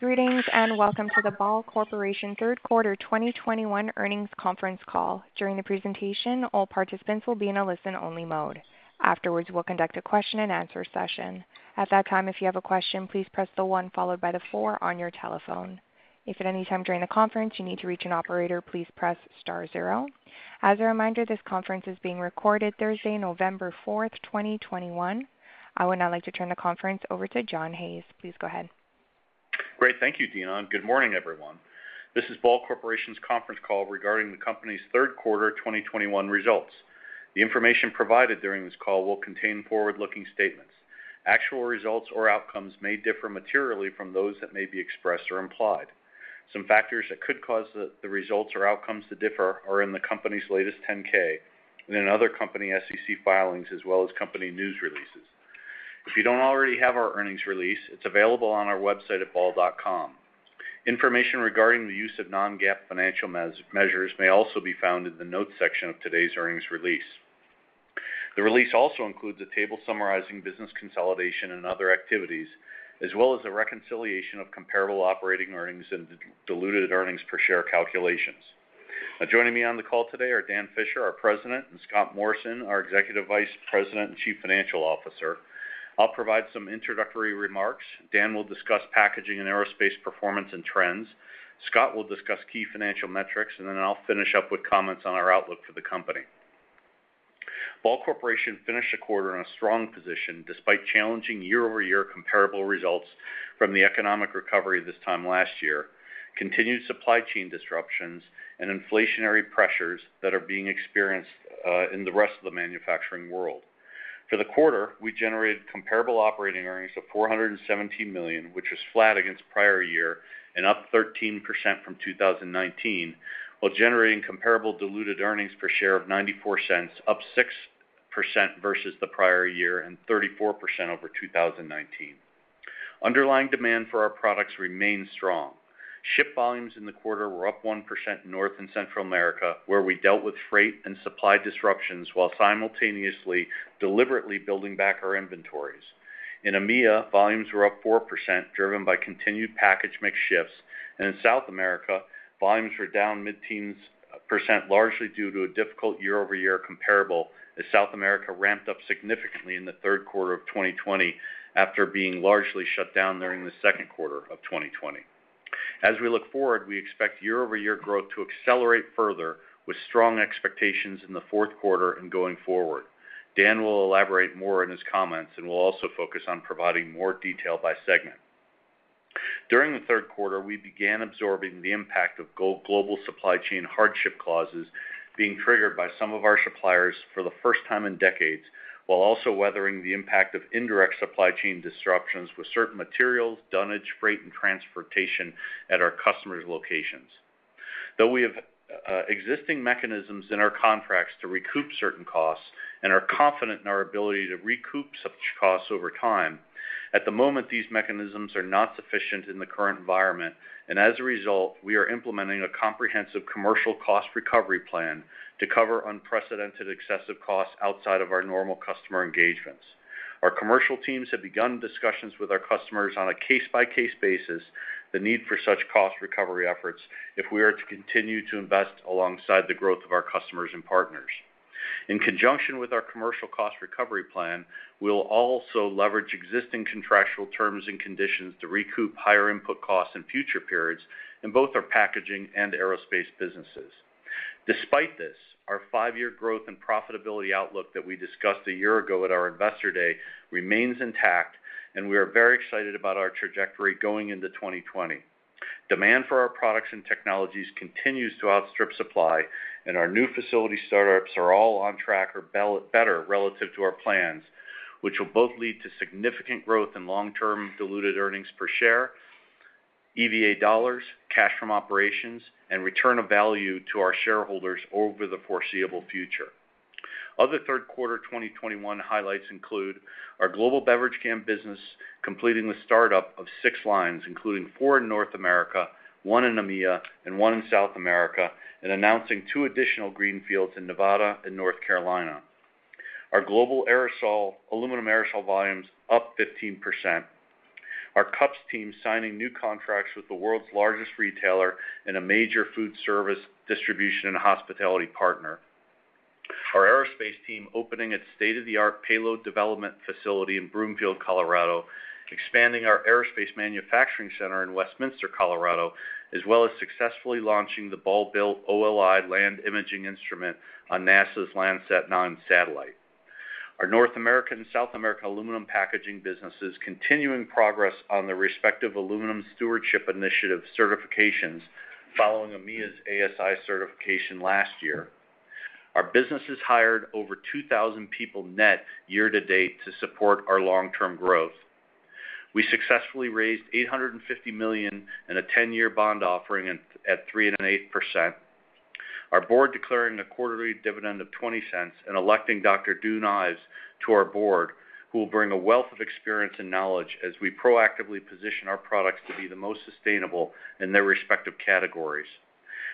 Greetings, and welcome to the Ball Corporation third quarter 2021 earnings conference call. During the presentation, all participants will be in a listen-only mode. Afterwards, we'll conduct a question-and-answer session. At that time, if you have a question, please press the one followed by the four on your telephone. If at any time during the conference you need to reach an operator, please press Star zero. As a reminder, this conference is being recorded Thursday, November 4, 2021. I would now like to turn the conference over to John Hayes. Please go ahead. Great. Thank you, Dina, and good morning, everyone. This is Ball Corporation's conference call regarding the company's third quarter 2021 results. The information provided during this call will contain forward-looking statements. Actual results or outcomes may differ materially from those that may be expressed or implied. Some factors that could cause the results or outcomes to differ are in the company's latest 10-K and in other company SEC filings, as well as company news releases. If you don't already have our earnings release, it's available on our website at ball.com. Information regarding the use of non-GAAP financial measures may also be found in the notes section of today's earnings release. The release also includes a table summarizing business consolidation and other activities, as well as a reconciliation of comparable operating earnings and diluted earnings per share calculations. Now, joining me on the call today are Dan Fisher, our President, and Scott Morrison, our Executive Vice President and Chief Financial Officer. I'll provide some introductory remarks. Dan will discuss packaging and aerospace performance and trends. Scott will discuss key financial metrics, and then I'll finish up with comments on our outlook for the company. Ball Corporation finished the quarter in a strong position despite challenging year-over-year comparable results from the economic recovery this time last year, continued supply chain disruptions, and inflationary pressures that are being experienced in the rest of the manufacturing world. For the quarter, we generated comparable operating earnings of $417 million, which was flat against prior year and up 13% from 2019, while generating comparable diluted earnings per share of $0.94, up 6% versus the prior year and 34% over 2019. Underlying demand for our products remains strong. Shipped volumes in the quarter were up 1% in North and Central America, where we dealt with freight and supply disruptions while simultaneously deliberately building back our inventories. In EMEA, volumes were up 4%, driven by continued package mix shifts. In South America, volumes were down mid-teens%, largely due to a difficult year-over-year comparable as South America ramped up significantly in the third quarter of 2020 after being largely shut down during the second quarter of 2020. As we look forward, we expect year-over-year growth to accelerate further with strong expectations in the fourth quarter and going forward. Dan will elaborate more in his comments and will also focus on providing more detail by segment. During the third quarter, we began absorbing the impact of global supply chain hardship clauses being triggered by some of our suppliers for the first time in decades, while also weathering the impact of indirect supply chain disruptions with certain materials, dunnage, freight, and transportation at our customers' locations. Though we have existing mechanisms in our contracts to recoup certain costs and are confident in our ability to recoup such costs over time, at the moment, these mechanisms are not sufficient in the current environment. As a result, we are implementing a comprehensive commercial cost recovery plan to cover unprecedented excessive costs outside of our normal customer engagements. Our commercial teams have begun discussions with our customers on a case-by-case basis, the need for such cost recovery efforts if we are to continue to invest alongside the growth of our customers and partners. In conjunction with our commercial cost recovery plan, we'll also leverage existing contractual terms and conditions to recoup higher input costs in future periods in both our packaging and aerospace businesses. Despite this, our five-year growth and profitability outlook that we discussed a year ago at our Investor Day remains intact, and we are very excited about our trajectory going into 2020. Demand for our products and technologies continues to outstrip supply, and our new facility startups are all on track or better relative to our plans, which will both lead to significant growth in long-term diluted earnings per share, EVA dollars, cash from operations, and return of value to our shareholders over the foreseeable future. Other third quarter 2021 highlights include our global beverage can business completing the startup of six lines, including four in North America, one in EMEA, and one in South America, and announcing two additional greenfields in Nevada and North Carolina. Our global aluminum aerosol volume's up 15%. Our cups team signing new contracts with the world's largest retailer and a major food service distribution and hospitality partner. Our aerospace team opening its state-of-the-art payload development facility in Broomfield, Colorado, expanding our aerospace manufacturing center in Westminster, Colorado, as well as successfully launching the Ball-built OLI-2 land imaging instrument on NASA's Landsat 9 satellite. Our North American and South American aluminum packaging businesses continuing progress on the respective Aluminum Stewardship Initiative certifications following EMEA's ASI certification last year. Our businesses hired over 2,000 people net year-to-date to support our long-term growth. We successfully raised $850 million in a 10-year bond offering at 3.8%. Our board declaring a quarterly dividend of $0.20 and electing Dr. Dune Ives to our board, who will bring a wealth of experience and knowledge as we proactively position our products to be the most sustainable in their respective categories.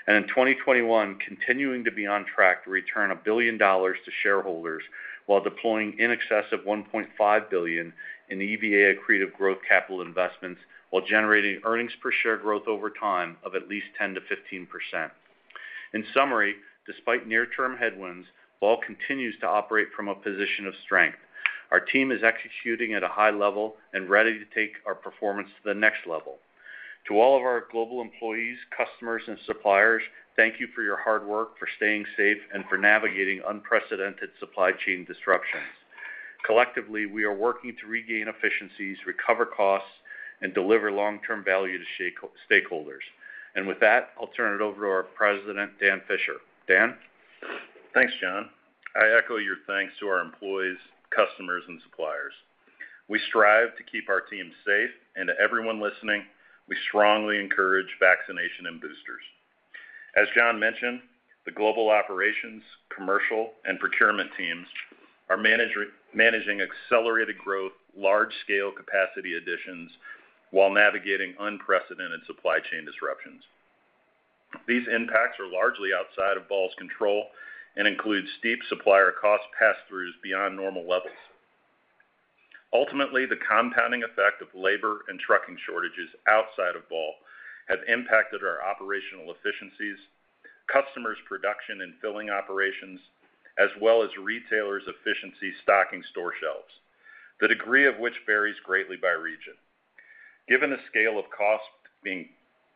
In 2021, continuing to be on track to return $1 billion to shareholders while deploying in excess of $1.5 billion in EVA accretive growth capital investments, while generating earnings per share growth over time of at least 10%-15%. In summary, despite near-term headwinds, Ball continues to operate from a position of strength. Our team is executing at a high level and ready to take our performance to the next level. To all of our global employees, customers, and suppliers, thank you for your hard work, for staying safe, and for navigating unprecedented supply chain disruptions. Collectively, we are working to regain efficiencies, recover costs, and deliver long-term value to shareholders. With that, I'll turn it over to our President, Dan Fisher. Dan? Thanks, John. I echo your thanks to our employees, customers, and suppliers. We strive to keep our team safe, and to everyone listening, we strongly encourage vaccination and boosters. As John mentioned, the global operations, commercial, and procurement teams are managing accelerated growth, large-scale capacity additions, while navigating unprecedented supply chain disruptions. These impacts are largely outside of Ball's control and include steep supplier cost passthroughs beyond normal levels. Ultimately, the compounding effect of labor and trucking shortages outside of Ball have impacted our operational efficiencies, customers' production and filling operations, as well as retailers' efficiency stocking store shelves, the degree of which varies greatly by region. Given the scale of cost being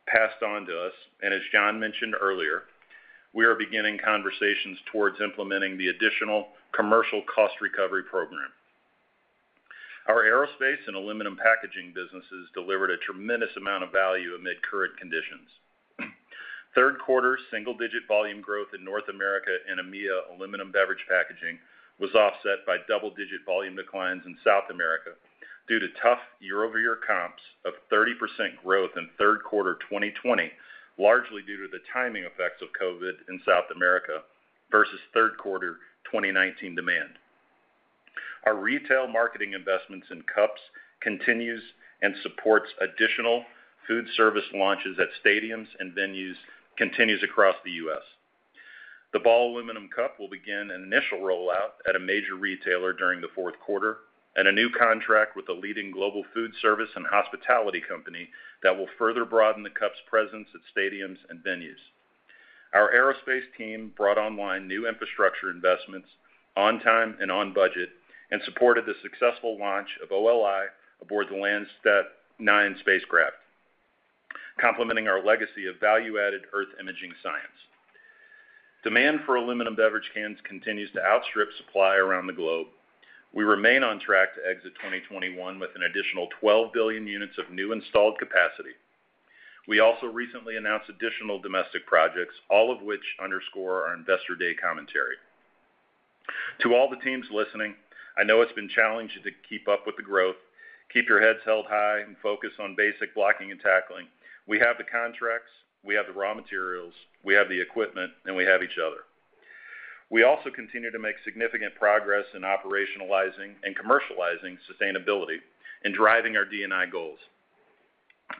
passed on to us, and as John mentioned earlier, we are beginning conversations towards implementing the additional commercial cost recovery program. Our aerospace and aluminum packaging businesses delivered a tremendous amount of value amid current conditions. Third quarter single-digit volume growth in North America and EMEA aluminum beverage packaging was offset by double-digit volume declines in South America due to tough year-over-year comps of 30% growth in third quarter 2020, largely due to the timing effects of COVID in South America versus third quarter 2019 demand. Our retail marketing investments in cups continues and supports additional food service launches at stadiums and venues, continues across the U.S. The Ball Aluminum Cup will begin an initial rollout at a major retailer during the fourth quarter and a new contract with a leading global food service and hospitality company that will further broaden the cup's presence at stadiums and venues. Our aerospace team brought online new infrastructure investments on time and on budget and supported the successful launch of OLI-2 aboard the Landsat 9 spacecraft, complementing our legacy of value-added Earth imaging science. Demand for aluminum beverage cans continues to outstrip supply around the globe. We remain on track to exit 2021 with an additional 12 billion units of new installed capacity. We also recently announced additional domestic projects, all of which underscore our investor day commentary. To all the teams listening, I know it's been challenging to keep up with the growth. Keep your heads held high and focus on basic blocking and tackling. We have the contracts, we have the raw materials, we have the equipment, and we have each other. We also continue to make significant progress in operationalizing and commercializing sustainability and driving our D&I goals.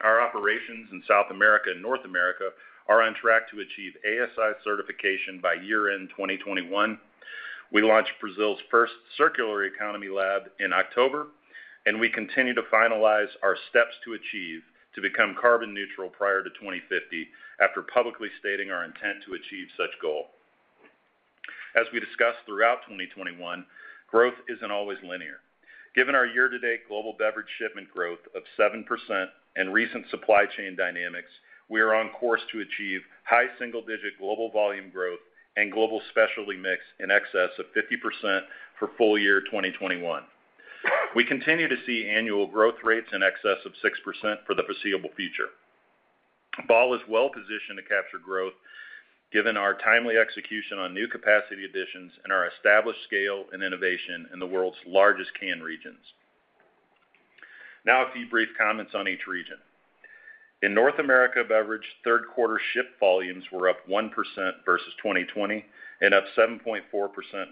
Our operations in South America and North America are on track to achieve ASI certification by year-end 2021. We launched Brazil's first circular economy lab in October, and we continue to finalize our steps to become carbon neutral prior to 2050 after publicly stating our intent to achieve such goal. As we discussed throughout 2021, growth isn't always linear. Given our year-to-date global beverage shipment growth of 7% and recent supply chain dynamics, we are on course to achieve high single-digit global volume growth and global specialty mix in excess of 50% for full year 2021. We continue to see annual growth rates in excess of 6% for the foreseeable future. Ball is well positioned to capture growth given our timely execution on new capacity additions and our established scale and innovation in the world's largest can regions. Now a few brief comments on each region. In North America beverage, third quarter ship volumes were up 1% versus 2020 and up 7.4%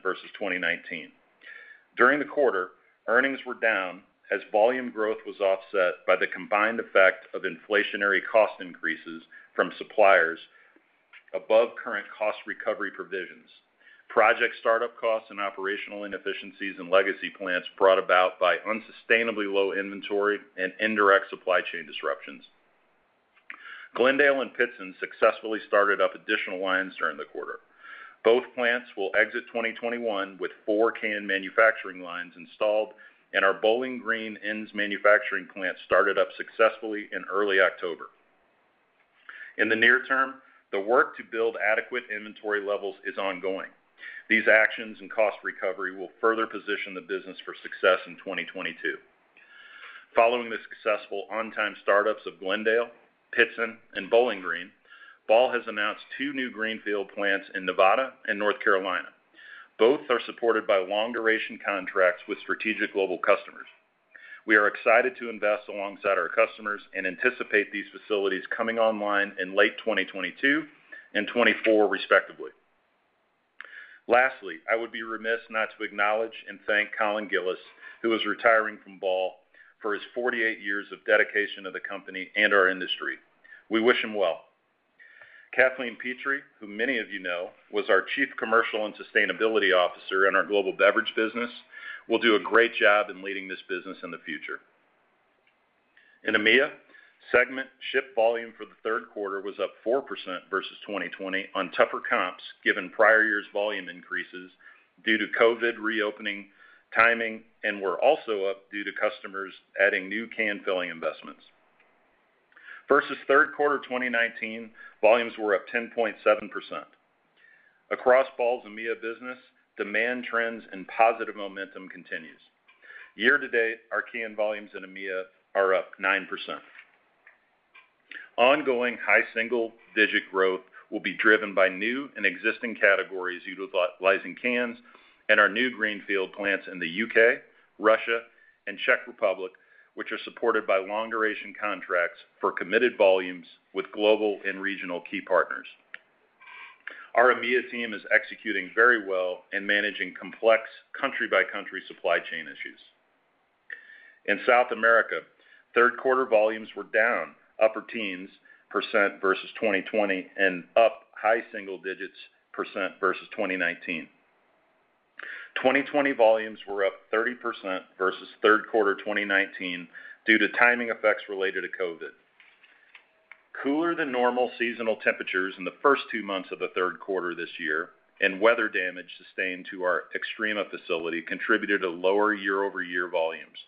versus 2019. During the quarter, earnings were down as volume growth was offset by the combined effect of inflationary cost increases from suppliers above current cost recovery provisions, project startup costs and operational inefficiencies in legacy plants brought about by unsustainably low inventory and indirect supply chain disruptions. Glendale and Pittston successfully started up additional lines during the quarter. Both plants will exit 2021 with four can manufacturing lines installed, and our Bowling Green ends manufacturing plant started up successfully in early October. In the near-term, the work to build adequate inventory levels is ongoing. These actions and cost recovery will further position the business for success in 2022. Following the successful on-time startups of Glendale, Pittston, and Bowling Green, Ball has announced two new greenfield plants in Nevada and North Carolina. Both are supported by long-duration contracts with strategic global customers. We are excited to invest alongside our customers and anticipate these facilities coming online in late 2022 and 2024, respectively. Lastly, I would be remiss not to acknowledge and thank Colin Gillis, who is retiring from Ball for his 48 years of dedication to the company and our industry. We wish him well. Kathleen Pitre, who many of you know, was our Chief Commercial and Sustainability Officer in our global beverage business, will do a great job in leading this business in the future. In EMEA, segment ship volume for the third quarter was up 4% versus 2020 on tougher comps, given prior year's volume increases due to COVID reopening timing and were also up due to customers adding new can filling investments. Versus third quarter 2019, volumes were up 10.7%. Across Ball's EMEA business, demand trends and positive momentum continues. Year-to-date, our can volumes in EMEA are up 9%. Ongoing high single-digit growth will be driven by new and existing categories utilizing cans and our new greenfield plants in the U.K., Russia, and Czech Republic, which are supported by long-duration contracts for committed volumes with global and regional key partners. Our EMEA team is executing very well in managing complex country-by-country supply chain issues. In South America, third quarter volumes were down upper teens% versus 2020 and up high single digits% versus 2019. 2020 volumes were up 30% versus third quarter 2019 due to timing effects related to COVID. Cooler than normal seasonal temperatures in the first two months of the third quarter this year and weather damage sustained to our Extrema facility contributed to lower year-over-year volumes.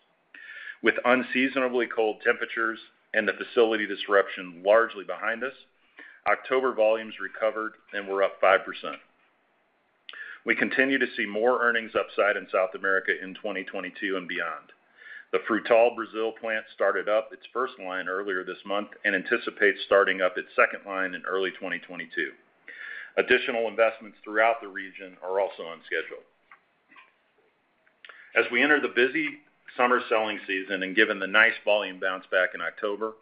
With unseasonably cold temperatures and the facility disruption largely behind us, October volumes recovered and were up 5%. We continue to see more earnings upside in South America in 2022 and beyond. The Frutal Brazil plant started up its first line earlier this month and anticipates starting up its second line in early 2022. Additional investments throughout the region are also on schedule. As we enter the busy summer selling season and given the nice volume bounce back in October,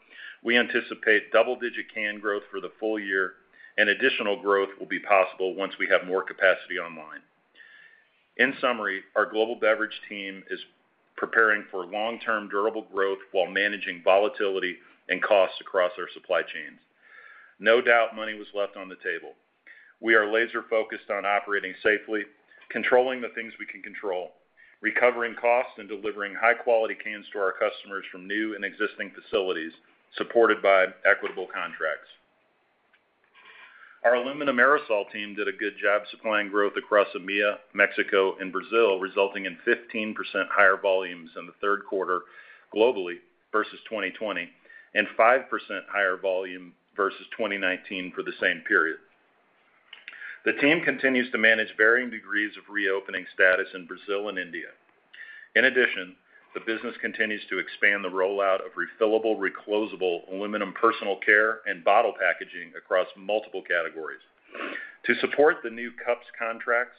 we anticipate double-digit can growth for the full year and additional growth will be possible once we have more capacity online. In summary, our global beverage team is preparing for long-term durable growth while managing volatility and costs across our supply chains. No doubt money was left on the table. We are laser-focused on operating safely, controlling the things we can control, recovering costs, and delivering high-quality cans to our customers from new and existing facilities supported by equitable contracts. Our aluminum aerosol team did a good job supplying growth across EMEA, Mexico and Brazil, resulting in 15% higher volumes in the third quarter globally versus 2020 and 5% higher volume versus 2019 for the same period. The team continues to manage varying degrees of reopening status in Brazil and India. In addition, the business continues to expand the rollout of refillable, reclosable aluminum personal care and bottle packaging across multiple categories. To support the new cups contracts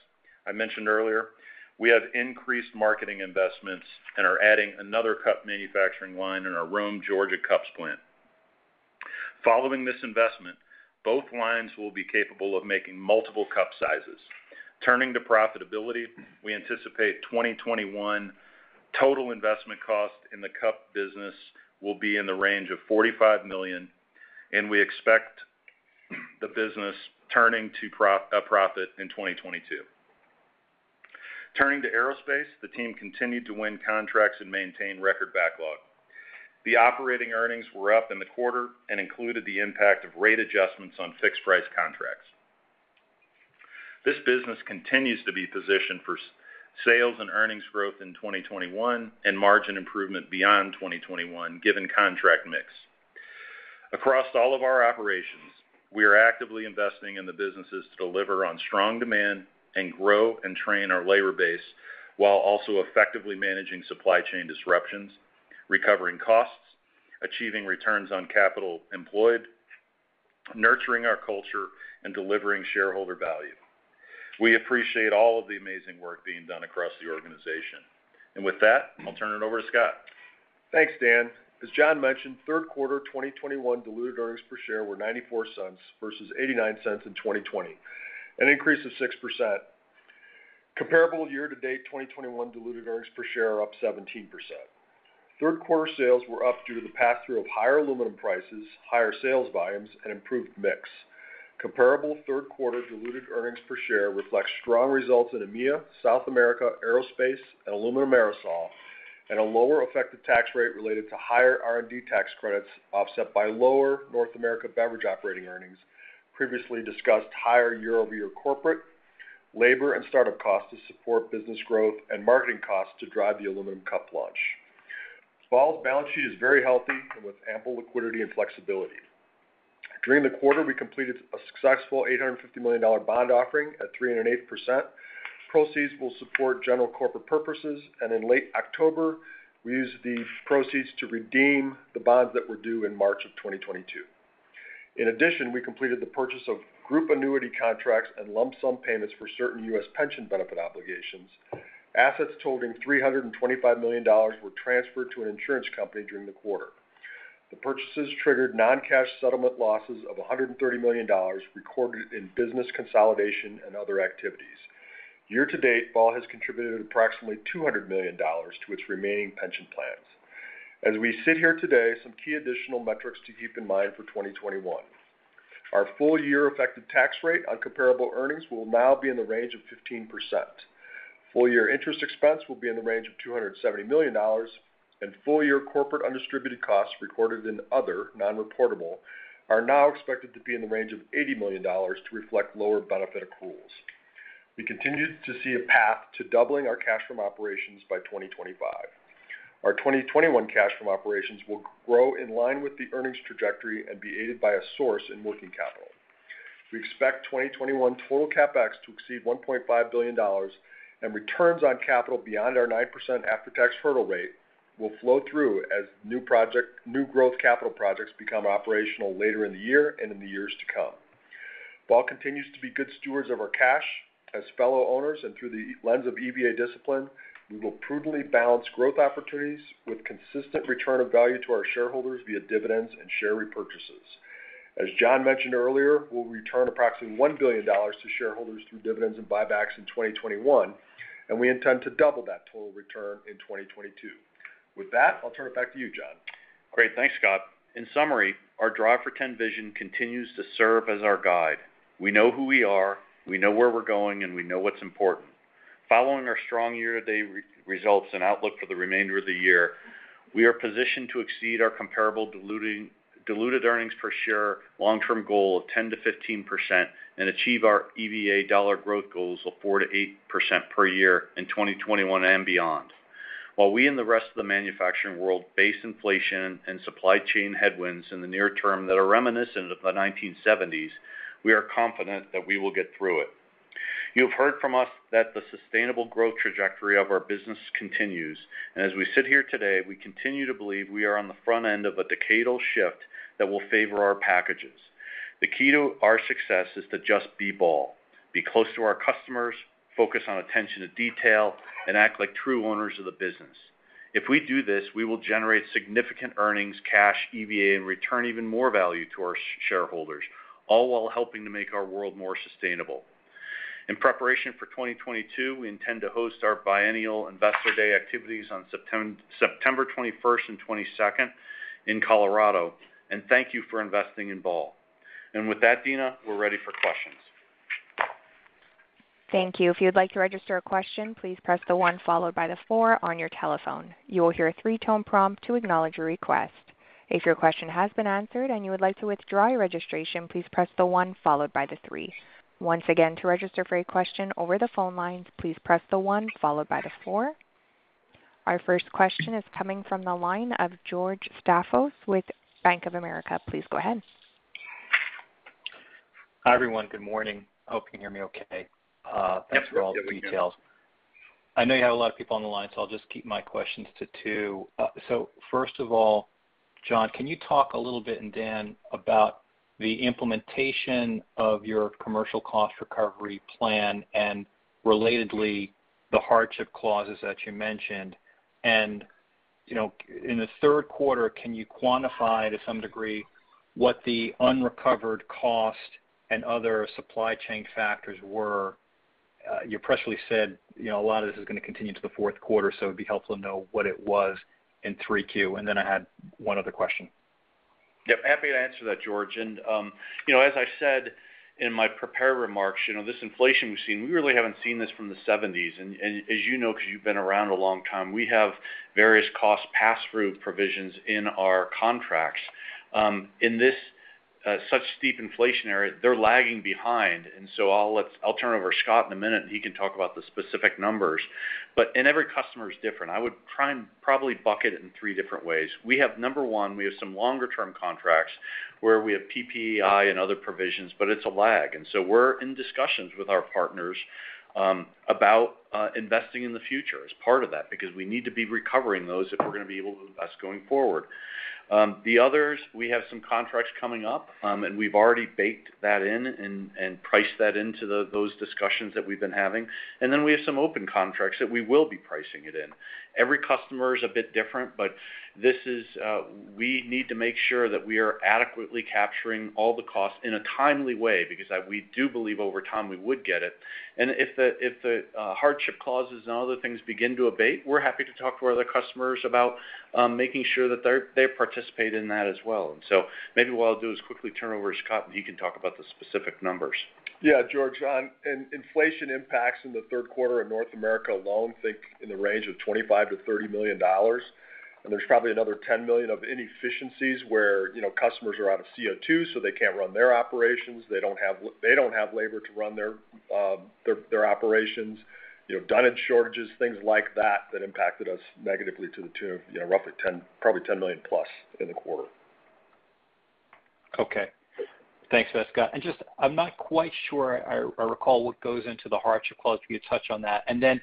I mentioned earlier, we have increased marketing investments and are adding another cup manufacturing line in our Rome, Georgia, cups plant. Following this investment, both lines will be capable of making multiple cup sizes. Turning to profitability, we anticipate 2021 total investment cost in the cup business will be in the range of $45 million, and we expect the business turning to a profit in 2022. Turning to aerospace, the team continued to win contracts and maintain record backlog. The operating earnings were up in the quarter and included the impact of rate adjustments on fixed-price contracts. This business continues to be positioned for sales and earnings growth in 2021 and margin improvement beyond 2021, given contract mix. Across all of our operations, we are actively investing in the businesses to deliver on strong demand and grow and train our labor base, while also effectively managing supply chain disruptions, recovering costs, achieving returns on capital employed, nurturing our culture and delivering shareholder value. We appreciate all of the amazing work being done across the organization. With that, I'll turn it over to Scott. Thanks, Dan. As John mentioned, third quarter 2021 diluted earnings per share were $0.94 versus $0.89 in 2020, an increase of 6%. Comparable year-to-date 2021 diluted earnings per share are up 17%. Third quarter sales were up due to the pass-through of higher aluminum prices, higher sales volumes and improved mix. Comparable third quarter diluted earnings per share reflect strong results in EMEA, South America, aerospace and aluminum aerosol, and a lower effective tax rate related to higher R&D tax credits offset by lower North America beverage operating earnings, previously discussed higher year-over-year corporate, labor and startup costs to support business growth and marketing costs to drive the aluminum cup launch. Ball's balance sheet is very healthy and with ample liquidity and flexibility. During the quarter, we completed a successful $850 million bond offering at 3.8%. Proceeds will support general corporate purposes, and in late October, we used the proceeds to redeem the bonds that were due in March of 2022. In addition, we completed the purchase of group annuity contracts and lump sum payments for certain U.S. pension benefit obligations. Assets totaling $325 million were transferred to an insurance company during the quarter. The purchases triggered non-cash settlement losses of $130 million recorded in business consolidation and other activities. Year-to-date, Ball has contributed approximately $200 million to its remaining pension plans. As we sit here today, some key additional metrics to keep in mind for 2021. Our full-year effective tax rate on comparable earnings will now be in the range of 15%. Full-year interest expense will be in the range of $270 million, and full-year corporate undistributed costs recorded in other non-reportable are now expected to be in the range of $80 million to reflect lower benefit accruals. We continue to see a path to doubling our cash from operations by 2025. Our 2021 cash from operations will grow in line with the earnings trajectory and be aided by a source in working capital. We expect 2021 total CapEx to exceed $1.5 billion, and returns on capital beyond our 9% after-tax hurdle rate will flow through as new growth capital projects become operational later in the year and in the years to come. Ball continues to be good stewards of our cash. As fellow owners and through the lens of EVA discipline, we will prudently balance growth opportunities with consistent return of value to our shareholders via dividends and share repurchases. As John mentioned earlier, we'll return approximately $1 billion to shareholders through dividends and buybacks in 2021, and we intend to double that total return in 2022. With that, I'll turn it back to you, John. Great. Thanks, Scott. In summary, our Drive for 10 vision continues to serve as our guide. We know who we are, we know where we're going, and we know what's important. Following our strong year-to-date results and outlook for the remainder of the year, we are positioned to exceed our comparable diluted earnings per share long-term goal of 10%-15% and achieve our EVA dollar growth goals of 4%-8% per year in 2021 and beyond. While we and the rest of the manufacturing world face inflation and supply chain headwinds in the near-term that are reminiscent of the 1970s, we are confident that we will get through it. You have heard from us that the sustainable growth trajectory of our business continues. As we sit here today, we continue to believe we are on the front end of a decadal shift that will favor our packages. The key to our success is to just be Ball, be close to our customers, focus on attention to detail, and act like true owners of the business. If we do this, we will generate significant earnings, cash, EVA, and return even more value to our shareholders, all while helping to make our world more sustainable. In preparation for 2022, we intend to host our biennial Investor Day activities on September 21st and 22nd in Colorado. Thank you for investing in Ball. With that, Dina, we're ready for questions. Thank you. If you'd like to register a question, please press Star one followed by four on your telephone. You will hear a three-tone prompt to acknowledge your request. If your question has been answered and you would like to withdraw your registration, please press Star one followed by three. Once again, to register for a question over the phone lines, please press Star one followed by four. Our first question is coming from the line of George Staphos with Bank of America. Please go ahead. Hi, everyone. Good morning. Hope you can hear me okay. Absolutely. We can. Thanks for all the details. I know you have a lot of people on the line, so I'll just keep my questions to two. First of all, John, can you talk a little bit, and Dan, about the implementation of your commercial cost recovery plan, and relatedly, the hardship clauses that you mentioned. You know, in the third quarter, can you quantify to some degree what the unrecovered cost and other supply chain factors were? You previously said, you know, a lot of this is gonna continue into the fourth quarter, so it'd be helpful to know what it was in 3Q. I had one other question. Yep, happy to answer that, George. You know, as I said in my prepared remarks, you know, this inflation we've seen, we really haven't seen this from the '70s. As you know, because you've been around a long time, we have various cost pass-through provisions in our contracts. Such steep inflationary, they're lagging behind. I'll turn it over to Scott in a minute, and he can talk about the specific numbers. Every customer is different. I would try and probably bucket it in three different ways. We have number one, we have some longer-term contracts where we have PPI and other provisions, but it's a lag. We're in discussions with our partners about investing in the future as part of that, because we need to be recovering those if we're gonna be able to invest going forward. The others, we have some contracts coming up, and we've already baked that in and priced that into those discussions that we've been having. We have some open contracts that we will be pricing it in. Every customer is a bit different, but this is, we need to make sure that we are adequately capturing all the costs in a timely way because we do believe over time we would get it. If the hardship clauses and other things begin to abate, we're happy to talk to our other customers about making sure that they participate in that as well. Maybe what I'll do is quickly turn over to Scott, and he can talk about the specific numbers. Yeah, George. Inflation impacts in the third quarter in North America alone, think in the range of $25 million-$30 million. There's probably another $10 million of inefficiencies where, you know, customers are out of CO2, so they can't run their operations. They don't have labor to run their their operations. You know, dunnage shortages, things like that impacted us negatively to the tune of, you know, roughly probably $10 million+ in the quarter. Okay. Thanks, Scott. Just I'm not quite sure I recall what goes into the hardship clause. Could you touch on that? Then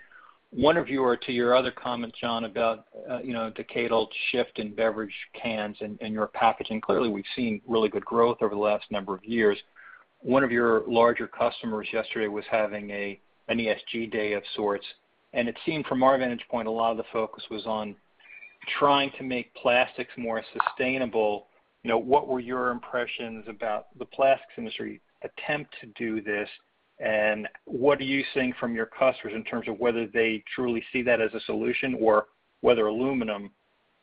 one of your or to your other comment, John, about, you know, decadal shift in beverage cans and your packaging. Clearly, we've seen really good growth over the last number of years. One of your larger customers yesterday was having an ESG day of sorts. It seemed from our vantage point, a lot of the focus was on trying to make plastics more sustainable, you know, what were your impressions about the plastics industry attempt to do this, and what are you seeing from your customers in terms of whether they truly see that as a solution or whether aluminum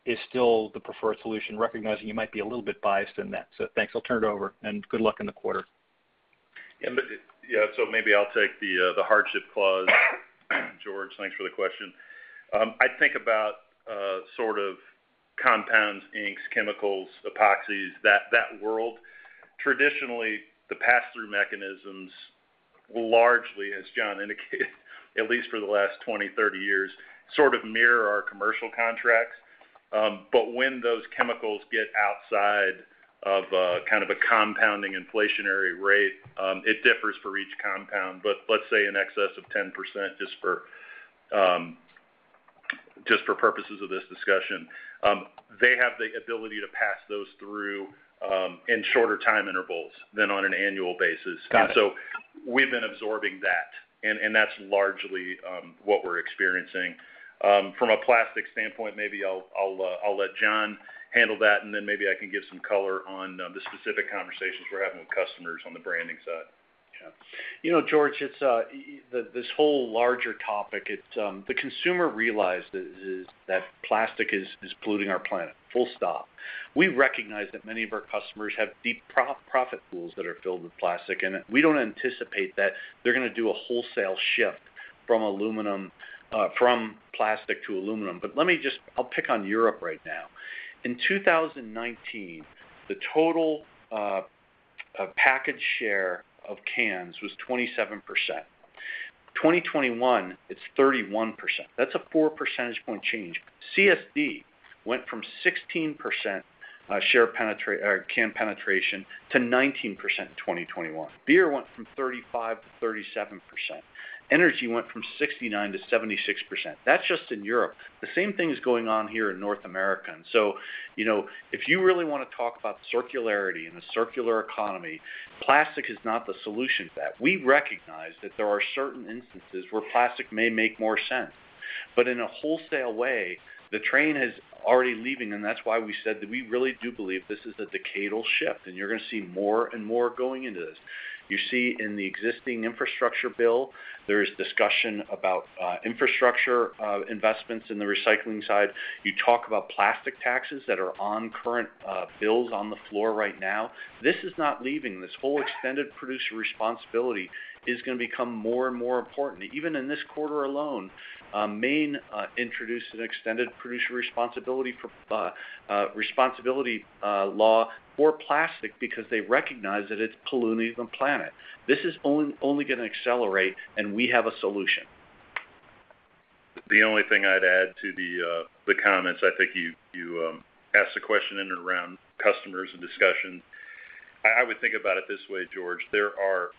is still the preferred solution, recognizing you might be a little bit biased in that? Thanks. I'll turn it over, and good luck in the quarter. Maybe I'll take the hardship clause. George, thanks for the question. I think about sort of compounds, inks, chemicals, epoxies, that world. Traditionally, the pass-through mechanisms, largely, as John indicated, at least for the last 20, 30 years, sort of mirror our commercial contracts. When those chemicals get outside of kind of a compounding inflationary rate, it differs for each compound. Let's say in excess of 10% just for purposes of this discussion. They have the ability to pass those through in shorter time intervals than on an annual basis. Got it. We've been absorbing that, and that's largely what we're experiencing. From a plastic standpoint, maybe I'll let John handle that, and then maybe I can give some color on the specific conversations we're having with customers on the branding side. Yeah. You know, George, it's this whole larger topic, it's the consumer realizes it is that plastic is polluting our planet. Full stop. We recognize that many of our customers have deep profit pools that are filled with plastic, and we don't anticipate that they're gonna do a wholesale shift from plastic to aluminum. Let me just. I'll pick on Europe right now. In 2019, the total packaging share of cans was 27%. 2021, it's 31%. That's a four percentage point change. CSD went from 16% or can penetration to 19% in 2021. Beer went from 35%-37%. Energy went from 69%-76%. That's just in Europe. The same thing is going on here in North America. You know, if you really wanna talk about circularity and a circular economy, plastic is not the solution to that. We recognize that there are certain instances where plastic may make more sense. In a wholesale way, the train is already leaving, and that's why we said that we really do believe this is a decadal shift, and you're gonna see more and more going into this. You see in the existing infrastructure bill, there is discussion about infrastructure investments in the recycling side. You talk about plastic taxes that are on current bills on the floor right now. This is not leaving. This whole extended producer responsibility is gonna become more and more important. Even in this quarter alone, Maine introduced an extended producer responsibility law for plastic because they recognize that it's polluting the planet. This is only gonna accelerate, and we have a solution. The only thing I'd add to the comments, I think you asked the question in and around customers and discussion. I would think about it this way, George. There are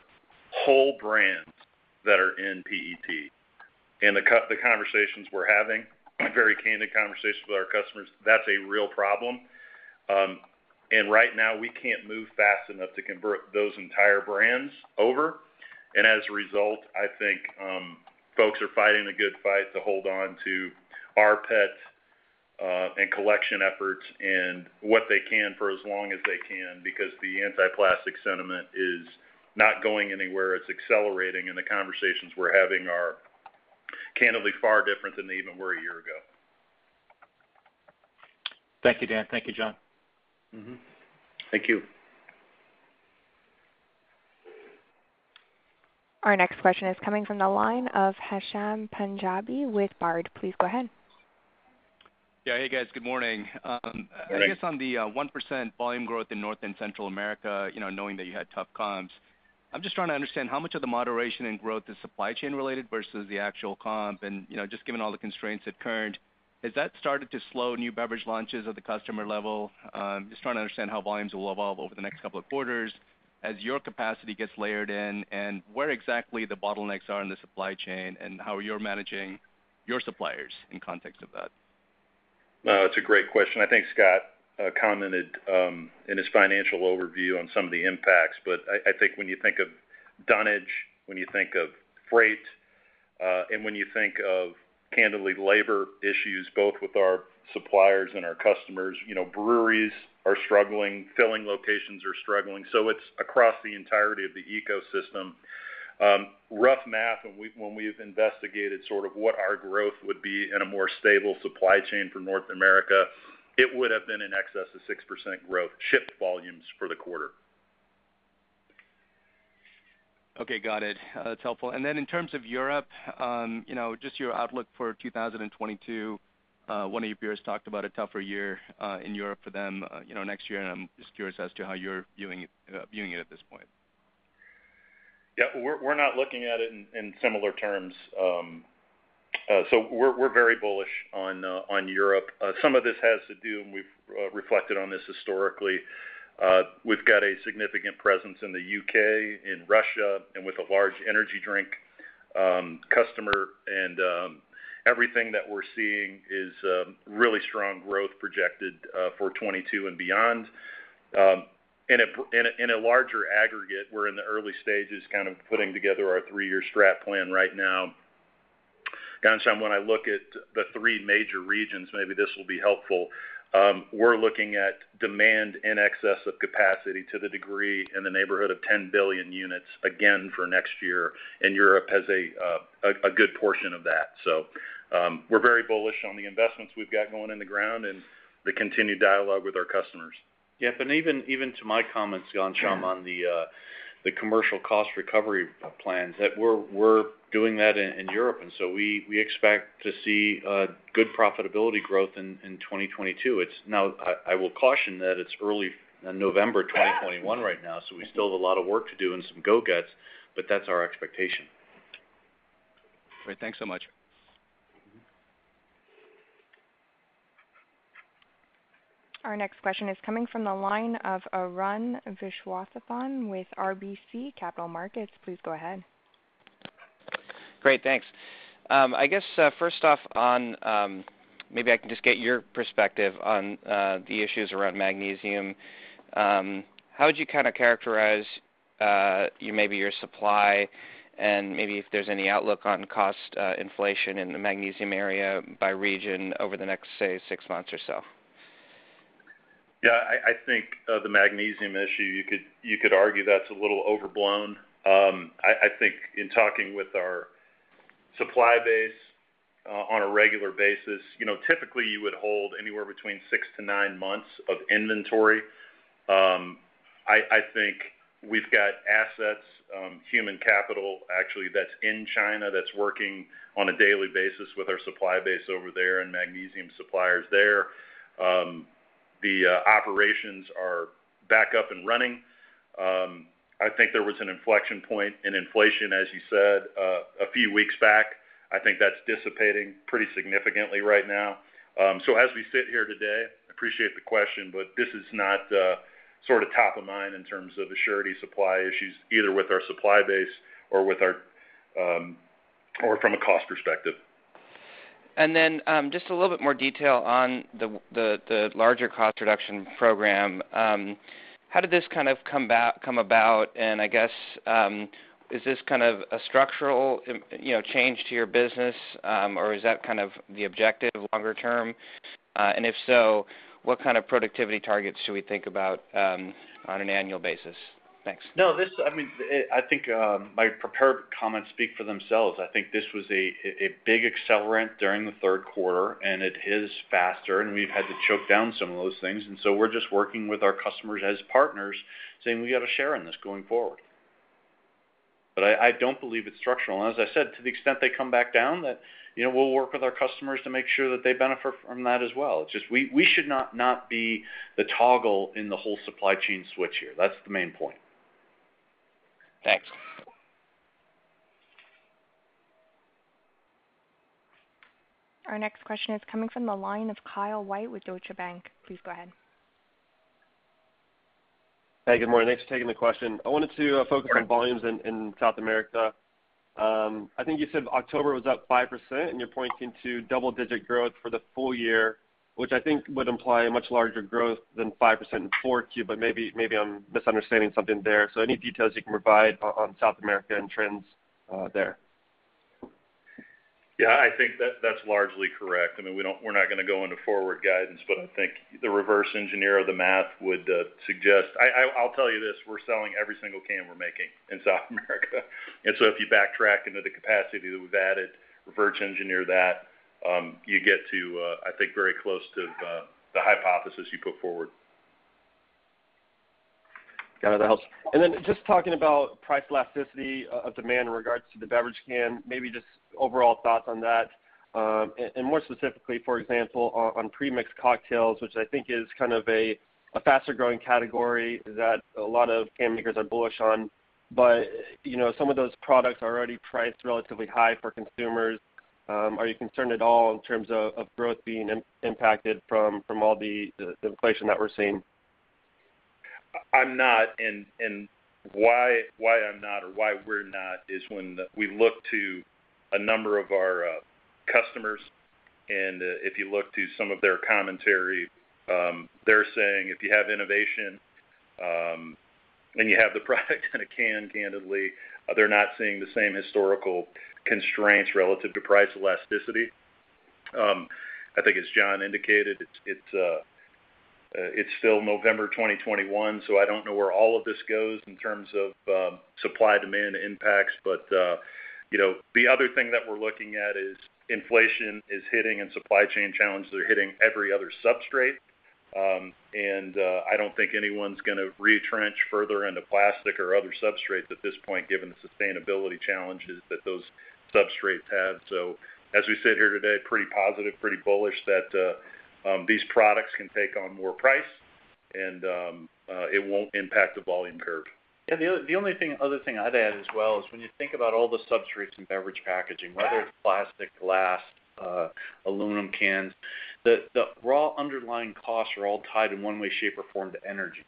whole brands that are in PET. The conversations we're having, very candid conversations with our customers, that's a real problem. Right now we can't move fast enough to convert those entire brands over. As a result, I think folks are fighting the good fight to hold on to rPET and collection efforts and what they can for as long as they can because the anti-plastic sentiment is not going anywhere. It's accelerating, and the conversations we're having are candidly far different than they even were a year ago. Thank you, Dan. Thank you, John. Mm-hmm. Thank you. Our next question is coming from the line of Ghansham Panjabi with Baird. Please go ahead. Yeah. Hey, guys. Good morning. Good morning. I guess on the 1% volume growth in North and Central America, you know, knowing that you had tough comps, I'm just trying to understand how much of the moderation in growth is supply chain related versus the actual comp. You know, just given all the constraints that occurred, has that started to slow new beverage launches at the customer level? Just trying to understand how volumes will evolve over the next couple of quarters as your capacity gets layered in, and where exactly the bottlenecks are in the supply chain and how you're managing your suppliers in context of that. No, it's a great question. I think Scott commented in his financial overview on some of the impacts. I think when you think of tonnage, when you think of freight, and when you think of, candidly, labor issues, both with our suppliers and our customers, you know, breweries are struggling, filling locations are struggling. It's across the entirety of the ecosystem. Rough math and when we've investigated sort of what our growth would be in a more stable supply chain for North America, it would have been in excess of 6% growth shipped volumes for the quarter. Okay. Got it. That's helpful. In terms of Europe, you know, just your outlook for 2022, one of your peers talked about a tougher year in Europe for them, you know, next year, and I'm just curious as to how you're viewing it at this point. We're not looking at it in similar terms. We're very bullish on Europe. Some of this has to do, and we've reflected on this historically. We've got a significant presence in the U.K., in Russia, and with a large energy drink customer. Everything that we're seeing is really strong growth expected for 2022 and beyond. In a larger aggregate, we're in the early stages kind of putting together our three-year strat plan right now. Ghansham, when I look at the three major regions, maybe this will be helpful, we're looking at demand in excess of capacity to the degree in the neighborhood of 10 billion units again for next year, and Europe has a good portion of that. We're very bullish on the investments we've got going in the ground and the continued dialogue with our customers. Yeah, but even to my comments, Ghansham, on the commercial cost recovery plans that we're doing that in Europe, and so we expect to see good profitability growth in 2022. Now, I will caution that it's early November 2021 right now, so we still have a lot of work to do, but that's our expectation. Great. Thanks so much. Our next question is coming from the line of Arun Viswanathan with RBC Capital Markets. Please go ahead. Great. Thanks. I guess, first off on, maybe I can just get your perspective on, the issues around magnesium. How would you kinda characterize, maybe your supply and maybe if there's any outlook on cost, inflation in the magnesium area by region over the next, say, six months or so? Yeah, I think the magnesium issue, you could argue that's a little overblown. I think in talking with our supply base on a regular basis, you know, typically you would hold anywhere between 6-9 months of inventory. I think we've got assets, human capital actually that's in China that's working on a daily basis with our supply base over there and magnesium suppliers there. The operations are back up and running. I think there was an inflection point in inflation, as you said, a few weeks back. I think that's dissipating pretty significantly right now. As we sit here today, I appreciate the question, but this is not sort of top of mind in terms of aerosol supply issues, either with our supply base or with our, or from a cost perspective. Just a little bit more detail on the larger cost reduction program. How did this kind of come about, and I guess, is this kind of a structural, you know, change to your business, or is that kind of the objective longer term? If so, what kind of productivity targets should we think about on an annual basis? Thanks. No, this, I mean, I think my prepared comments speak for themselves. I think this was a big accelerant during the third quarter, and it is faster, and we've had to choke down some of those things. We're just working with our customers as partners, saying, We got a share in this going forward. I don't believe it's structural. As I said, to the extent they come back down, you know, we'll work with our customers to make sure that they benefit from that as well. It's just we should not be the toggle in the whole supply chain switch here. That's the main point. Thanks. Our next question is coming from the line of Kyle White with Deutsche Bank. Please go ahead. Hey, good morning. Thanks for taking the question. I wanted to focus on volumes in South America. I think you said October was up 5%, and you're pointing to double-digit growth for the full year, which I think would imply a much larger growth than 5% in 4Q, but maybe I'm misunderstanding something there. Any details you can provide on South America and trends there? Yeah, I think that's largely correct. I mean, we're not gonna go into forward guidance, but I think the reverse engineering of the math would suggest. I'll tell you this, we're selling every single can we're making in South America. If you backtrack into the capacity that we've added, reverse engineering that, you get to, I think very close to the hypothesis you put forward. Got it. That helps. Just talking about price elasticity of demand in regards to the beverage can, maybe just overall thoughts on that. More specifically, for example, on premixed cocktails, which I think is kind of a faster growing category that a lot of can makers are bullish on. You know, some of those products are already priced relatively high for consumers. Are you concerned at all in terms of growth being impacted from all the inflation that we're seeing? I'm not. Why I'm not or why we're not is when we look to a number of our customers, and if you look to some of their commentary, they're saying if you have innovation, and you have the product in a can, candidly, they're not seeing the same historical constraints relative to price elasticity. I think as John indicated, it's still November 2021, so I don't know where all of this goes in terms of supply-demand impacts. You know, the other thing that we're looking at is inflation is hitting and supply chain challenges are hitting every other substrate. I don't think anyone's gonna retrench further into plastic or other substrates at this point, given the sustainability challenges that those substrates have. As we sit here today, pretty positive, pretty bullish that these products can take on more price and it won't impact the volume curve. Yeah. The only thing, other thing I'd add as well is when you think about all the substrates in beverage packaging, whether it's plastic, glass, aluminum cans, the raw underlying costs are all tied in one way, shape, or form to energy.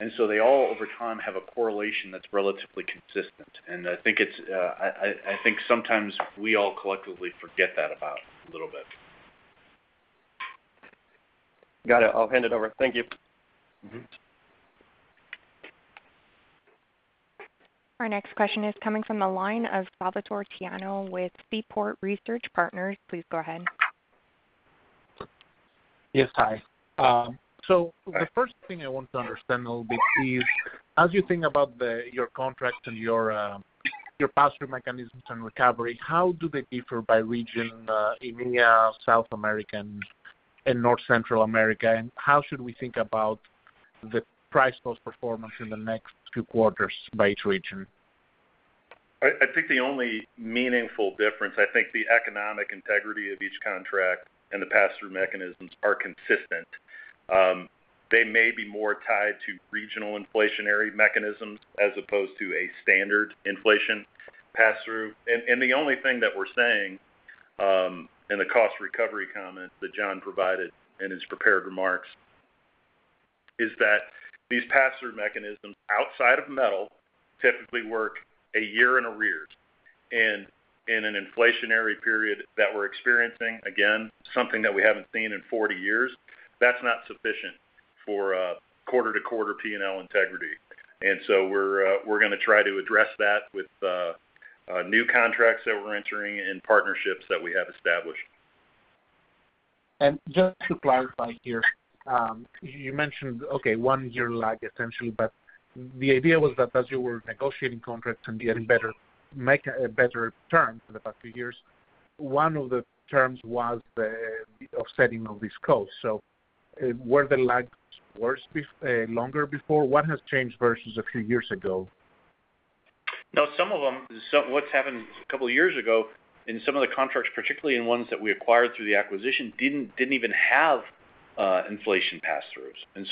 They all over time have a correlation that's relatively consistent. I think sometimes we all collectively forget that about a little bit. Got it. I'll hand it over. Thank you. Our next question is coming from the line of Salvatore Tiano with Seaport Research Partners. Please go ahead. Yes. Hi. So the first thing I want to understand a little bit is, as you think about your contracts and your pass-through mechanisms and recovery, how do they differ by region, EMEA, South America, and North and Central America? How should we think about the price/cost performance in the next two quarters by each region? I think the only meaningful difference, the economic integrity of each contract and the pass-through mechanisms are consistent. They may be more tied to regional inflationary mechanisms as opposed to a standard inflation pass-through. The only thing that we're saying in the cost recovery comment that John provided in his prepared remarks is that these pass-through mechanisms outside of metal typically work a year in arrears. In an inflationary period that we're experiencing, again, something that we haven't seen in 40 years, that's not sufficient for quarter-to-quarter P&L integrity. We're gonna try to address that with new contracts that we're entering and partnerships that we have established. Just to clarify here, you mentioned, okay, one year lag essentially, but the idea was that as you were negotiating contracts and getting better terms for the past few years, one of the terms was the offsetting of these costs. So were the lags worse or longer before? What has changed versus a few years ago? No, some of them. What's happened a couple of years ago in some of the contracts, particularly in ones that we acquired through the acquisition, didn't even have inflation pass-throughs.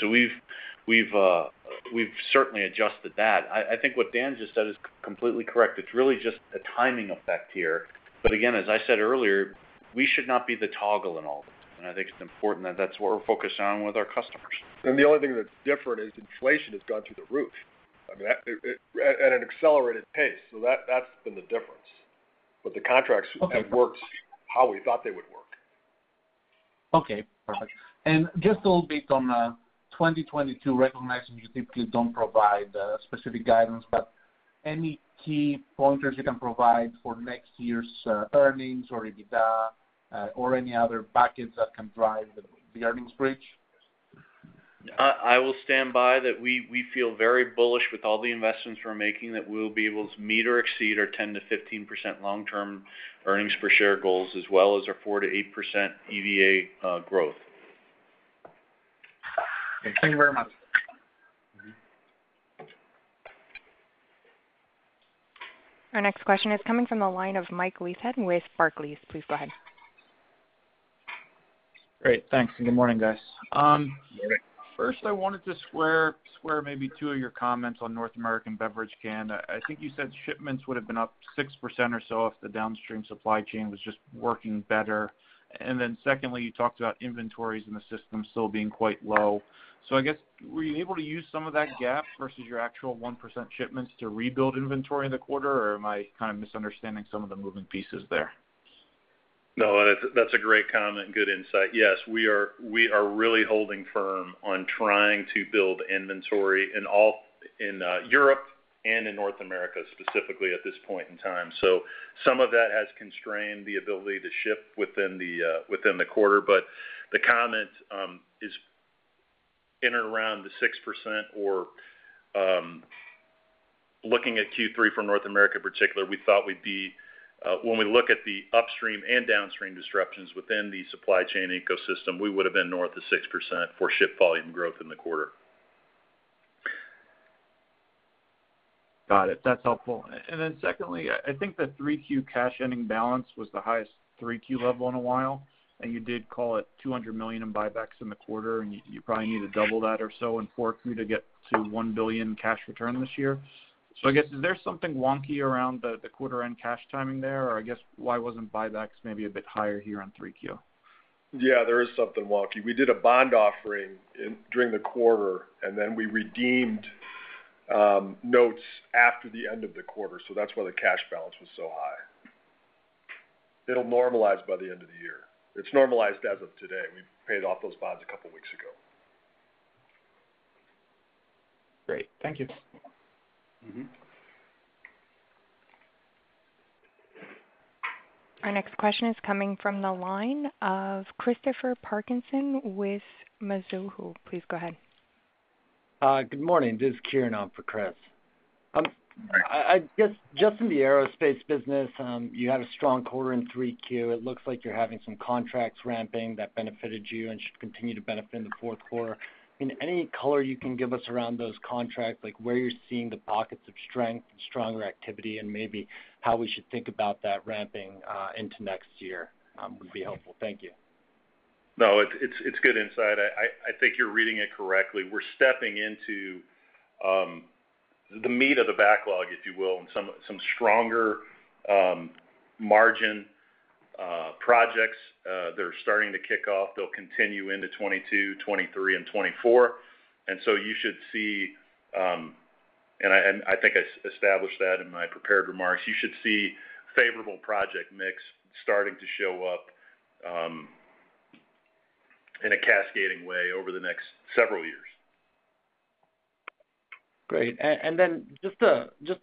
We've certainly adjusted that. I think what Dan just said is completely correct. It's really just a timing effect here. Again, as I said earlier, we should not be the toggle in all this. I think it's important that that's what we're focused on with our customers. The only thing that's different is inflation has gone through the roof. I mean, at an accelerated pace. That's been the difference. The contracts have worked how we thought they would work. Okay, perfect. Just a little bit on 2022, recognizing you typically don't provide specific guidance, but any key pointers you can provide for next year's earnings or EBITDA or any other buckets that can drive the earnings bridge? I'll stand by that we feel very bullish with all the investments we're making, that we'll be able to meet or exceed our 10%-15% long-term earnings per share goals, as well as our 4%-8% EVA growth. Okay. Thank you very much. Our next question is coming from the line of Mike Leithead with Barclays. Please go ahead. Great. Thanks. Good morning, guys. First I wanted to square maybe two of your comments on North American beverage can. I think you said shipments would have been up 6% or so if the downstream supply chain was just working better. Secondly, you talked about inventories in the system still being quite low. I guess, were you able to use some of that gap versus your actual 1% shipments to rebuild inventory in the quarter? Am I kind of misunderstanding some of the moving pieces there? No, that's a great comment. Good insight. Yes, we are really holding firm on trying to build inventory in Europe and in North America, specifically at this point in time. Some of that has constrained the ability to ship within the quarter. The comment is in and around the 6% or, looking at Q3 for North America particular, we thought we'd be, when we look at the upstream and downstream disruptions within the supply chain ecosystem, we would have been north of 6% for ship volume growth in the quarter. Got it. That's helpful. Secondly, I think the 3Q cash ending balance was the highest 3Q level in a while, and you did call it $200 million in buybacks in the quarter, and you probably need to double that or so in 4Q to get to $1 billion cash return this year. I guess, is there something wonky around the quarter end cash timing there? Or I guess why wasn't buybacks maybe a bit higher here on 3Q? Yeah, there is something wonky. We did a bond offering during the quarter, and then we redeemed notes after the end of the quarter, so that's why the cash balance was so high. It'll normalize by the end of the year. It's normalized as of today. We paid off those bonds a couple weeks ago. Great. Thank you. Mm-hmm. Our next question is coming from the line of Christopher Parkinson with Mizuho. Please go ahead. Good morning. This is Kieran on for Chris. I guess, just in the aerospace business, you had a strong quarter in 3Q. It looks like you're having some contracts ramping that benefited you and should continue to benefit in the fourth quarter. I mean, any color you can give us around those contracts, like where you're seeing the pockets of strength, stronger activity, and maybe how we should think about that ramping into next year would be helpful. Thank you. No, it's good insight. I think you're reading it correctly. We're stepping into the meat of the backlog, if you will, and some stronger margin projects, they're starting to kick off. They'll continue into 2022, 2023 and 2024. I think I established that in my prepared remarks. You should see favorable project mix starting to show up in a cascading way over the next several years. Great. Just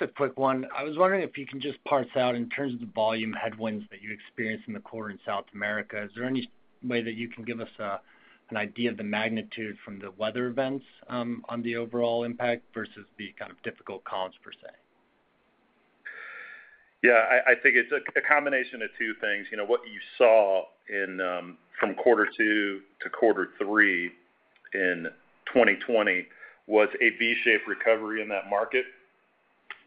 a quick one. I was wondering if you can just parse out in terms of the volume headwinds that you experienced in the quarter in South America. Is there any way that you can give us an idea of the magnitude from the weather events on the overall impact versus the kind of difficult comps per se? Yeah, I think it's a combination of two things. You know, what you saw from quarter two to quarter three in 2020 was a V-shaped recovery in that market.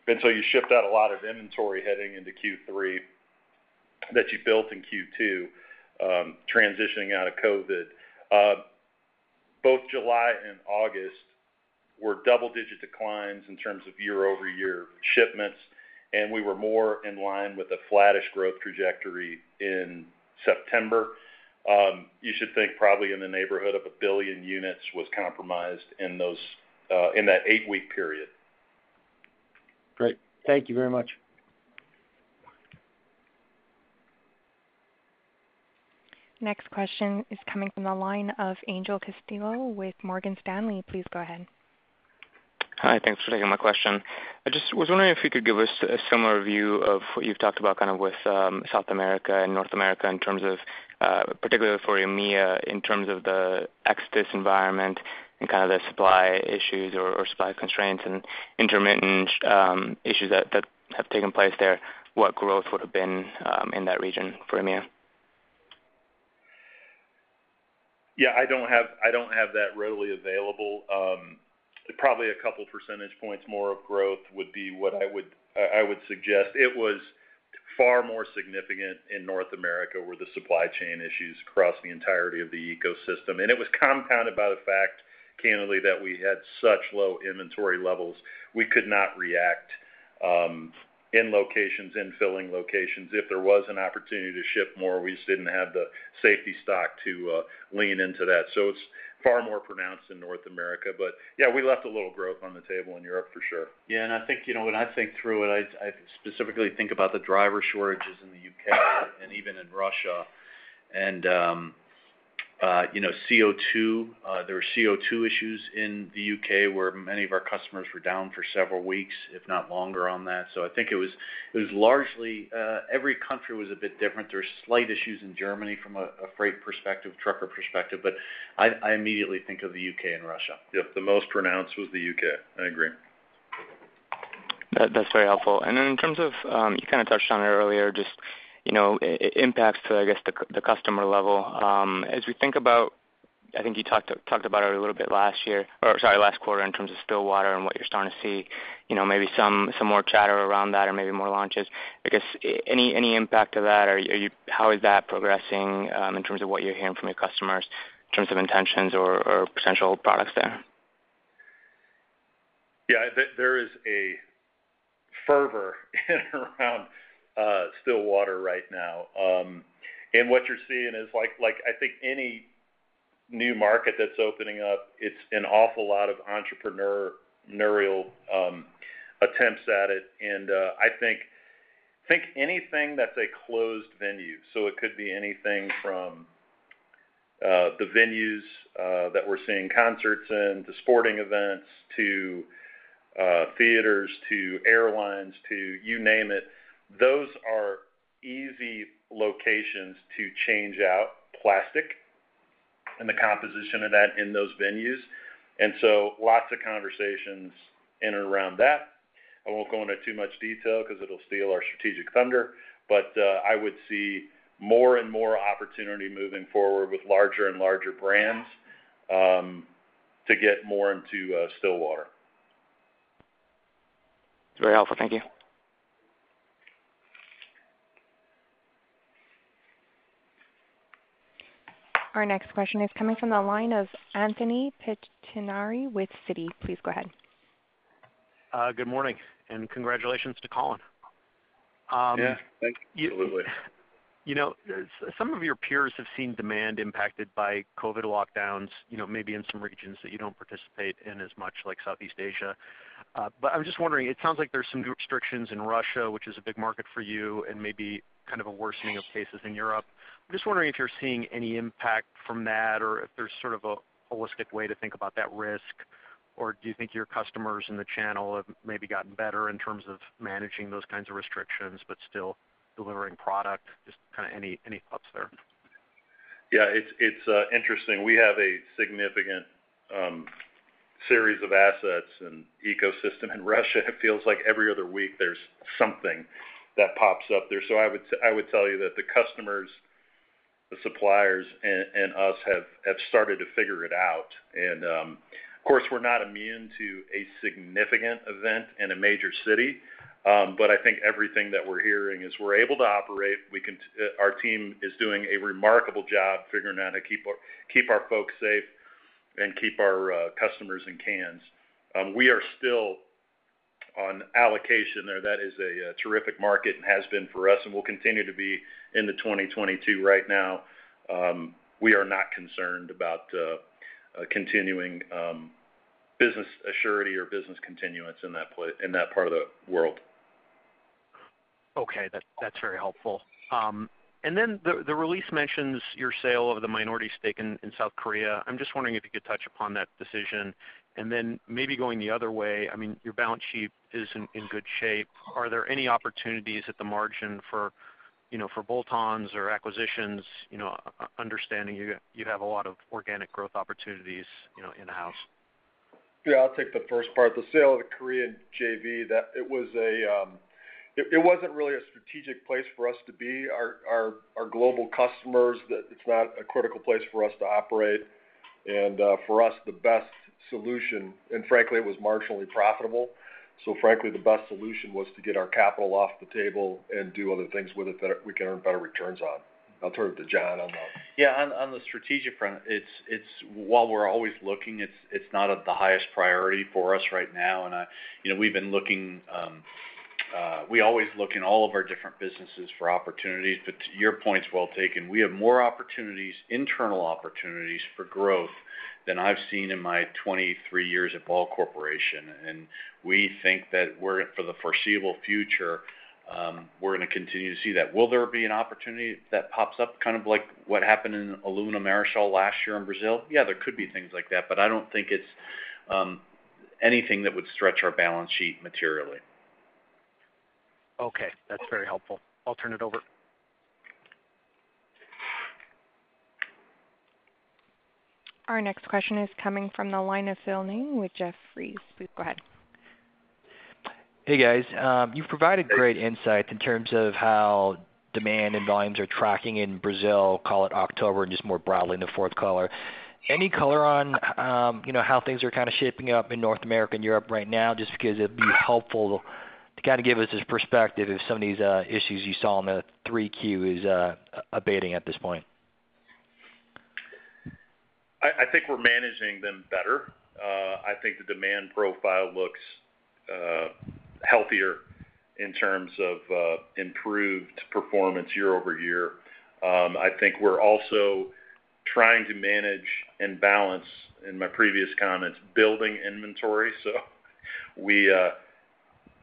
You shipped out a lot of inventory heading into Q3 that you built in Q2, transitioning out of COVID. Both July and August were double-digit declines in terms of year-over-year shipments, and we were more in line with a flattish growth trajectory in September. You should think probably in the neighborhood of 1 billion units was compromised in that 8-week period. Great. Thank you very much. Next question is coming from the line of Angel Castillo with Morgan Stanley. Please go ahead. Hi, thanks for taking my question. I just was wondering if you could give us a similar view of what you've talked about kind of with South America and North America in terms of particularly for EMEA, in terms of the access environment and kind of the supply issues or supply constraints and intermittent issues that have taken place there, what growth would have been in that region for EMEA? Yeah, I don't have that readily available. Probably a couple percentage points more of growth would be what I would suggest. It was far more significant in North America, where the supply chain issues crossed the entirety of the ecosystem. It was compounded by the fact, candidly, that we had such low inventory levels. We could not react in locations, in filling locations. If there was an opportunity to ship more, we just didn't have the safety stock to lean into that. It's far more pronounced in North America. Yeah, we left a little growth on the table in Europe, for sure. Yeah. I think, you know, when I think through it, I specifically think about the driver shortages in the U.K. and even in Russia. You know, CO2. There were CO2 issues in the U.K., where many of our customers were down for several weeks, if not longer, on that. I think it was largely every country was a bit different. There's slight issues in Germany from a freight perspective, trucker perspective, but I immediately think of the U.K. and Russia. Yep. The most pronounced was the U.K. I agree. That's very helpful. Then in terms of, you kind of touched on it earlier, just, you know, impact to, I guess, the customer level. As we think about, I think you talked about it a little bit last year or, sorry, last quarter in terms of Stillwater and what you're starting to see, you know, maybe some more chatter around that or maybe more launches. I guess, any impact of that? Or are you? How is that progressing, in terms of what you're hearing from your customers in terms of intentions or potential products there? Yeah. There is a fervor in and around Stillwater right now. What you're seeing is like, I think any new market that's opening up, it's an awful lot of entrepreneurial attempts at it. I think anything that's a closed venue, so it could be anything from the venues that we're seeing concerts in, to sporting events, to theaters, to airlines, to you name it, those are easy locations to change out plastic and the composition of that in those venues. Lots of conversations in and around that. I won't go into too much detail 'cause it'll steal our strategic thunder, but I would see more and more opportunity moving forward with larger and larger brands to get more into Stillwater. Very helpful. Thank you. Our next question is coming from the line of Anthony Pettinari with Citi. Please go ahead. Good morning, and congratulations to Colin. Yeah. Thank you. Absolutely. You know, some of your peers have seen demand impacted by COVID lockdowns, you know, maybe in some regions that you don't participate in as much, like Southeast Asia. I was just wondering, it sounds like there's some new restrictions in Russia, which is a big market for you, and maybe kind of a worsening of cases in Europe. I'm just wondering if you're seeing any impact from that or if there's sort of a holistic way to think about that risk. Do you think your customers in the channel have maybe gotten better in terms of managing those kinds of restrictions but still delivering product? Just kind of any thoughts there. Yeah, it's interesting. We have a significant series of assets and ecosystem in Russia. It feels like every other week there's something that pops up there. So I would tell you that the customers, the suppliers, and us have started to figure it out. Of course, we're not immune to a significant event in a major city. I think everything that we're hearing is we're able to operate. Our team is doing a remarkable job figuring out how to keep our folks safe and keep our customers in cans. We are still on allocation there. That is a terrific market and has been for us, and will continue to be into 2022. Right now, we are not concerned about a continuing business surety or business continuance in that part of the world. Okay. That's very helpful. Then the release mentions your sale of the minority stake in South Korea. I'm just wondering if you could touch upon that decision. Then maybe going the other way, I mean, your balance sheet is in good shape. Are there any opportunities at the margin for, you know, for bolt-ons or acquisitions, you know, understanding you have a lot of organic growth opportunities, you know, in-house? Yeah, I'll take the first part. The sale of the Korean JV wasn't really a strategic place for us to be. Our global customers, it's not a critical place for us to operate. Frankly, it was marginally profitable. Frankly, the best solution was to get our capital off the table and do other things with it that we can earn better returns on. I'll turn it to John. Yeah. On the strategic front, while we're always looking, it's not at the highest priority for us right now. You know, we've been looking, we always look in all of our different businesses for opportunities, but your point is well taken. We have more opportunities, internal opportunities for growth than I've seen in my 23 years at Ball Corporation. We think that we're, for the foreseeable future, we're gonna continue to see that. Will there be an opportunity that pops up kind of like what happened in Alumina Marisoul last year in Brazil? Yeah, there could be things like that, but I don't think it's anything that would stretch our balance sheet materially. Okay. That's very helpful. I'll turn it over. Our next question is coming from the line of Phil Ng with Jefferies. Please go ahead. Hey, guys. You've provided great insight in terms of how demand and volumes are tracking in Brazil, call it October, and just more broadly in the fourth quarter. Any color on how things are kind of shaping up in North America and Europe right now, just because it'd be helpful to kind of give us this perspective if some of these issues you saw in the 3Q are abating at this point. I think we're managing them better. I think the demand profile looks healthier in terms of improved performance year-over-year. I think we're also trying to manage and balance, in my previous comments, building inventory, so we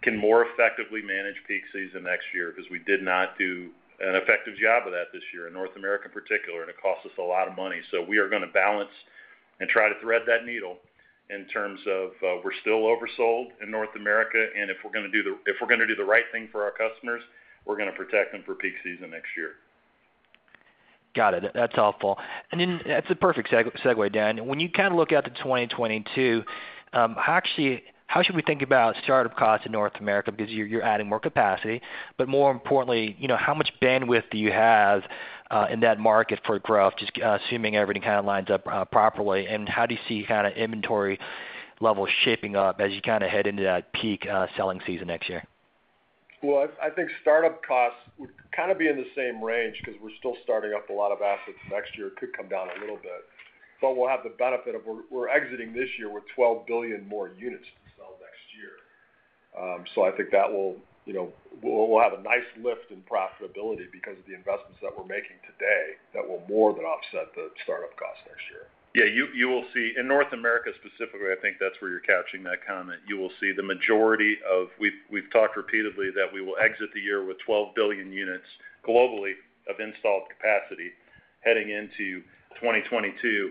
can more effectively manage peak season next year because we did not do an effective job of that this year in North America in particular, and it cost us a lot of money. We are gonna balance and try to thread that needle in terms of we're still oversold in North America, and if we're gonna do the right thing for our customers, we're gonna protect them for peak season next year. Got it. That's helpful. That's a perfect segue, Dan. When you kind of look out to 2022, how should we think about startup costs in North America? Because you're adding more capacity. But more importantly, you know, how much bandwidth do you have in that market for growth, just assuming everything kind of lines up properly. And how do you see kind of inventory levels shaping up as you kind of head into that peak selling season next year? Well, I think startup costs would kind of be in the same range because we're still starting up a lot of assets next year. It could come down a little bit. We'll have the benefit that we're exiting this year with 12 billion more units to sell next year. I think that will, you know, we'll have a nice lift in profitability because of the investments that we're making today that will more than offset the startup cost next year. Yeah. You will see, in North America specifically, I think that's where you're capturing that comment. We've talked repeatedly that we will exit the year with 12 billion units globally of installed capacity heading into 2022.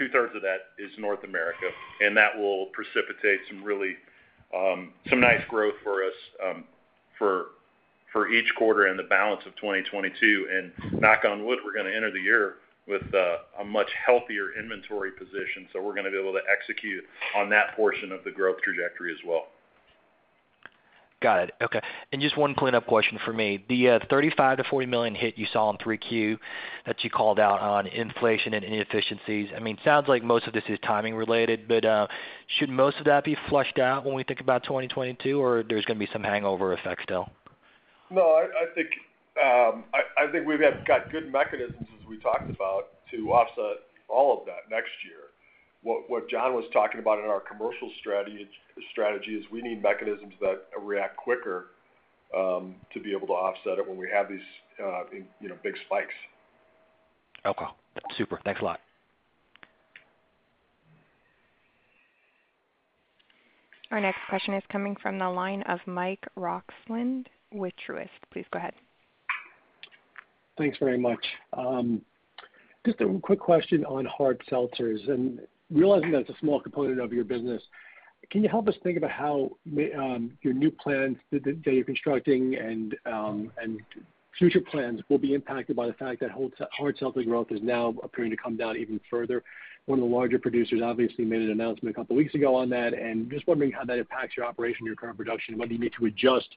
2/3 of that is North America, and that will precipitate some really some nice growth for us, for each quarter in the balance of 2022. Knock on wood, we're gonna enter the year with a much healthier inventory position. We're gonna be able to execute on that portion of the growth trajectory as well. Got it. Okay. Just one cleanup question for me. The $35 million-$40 million hit you saw in 3Q that you called out on inflation and inefficiencies. I mean, it sounds like most of this is timing related, but should most of that be flushed out when we think about 2022, or there's gonna be some hangover effect still? No. I think we've got good mechanisms as we talked about to offset all of that next year. What John was talking about in our commercial strategy is we need mechanisms that react quicker to be able to offset it when we have these, you know, big spikes. Okay. Super. Thanks a lot. Our next question is coming from the line of Mike Roxland with Truist. Please go ahead. Thanks very much. Just a quick question on hard seltzers. Realizing that's a small component of your business, can you help us think about how your new plans that you're constructing and future plans will be impacted by the fact that hard seltzer growth is now appearing to come down even further? One of the larger producers obviously made an announcement a couple weeks ago on that, and just wondering how that impacts your operation and your current production, whether you need to adjust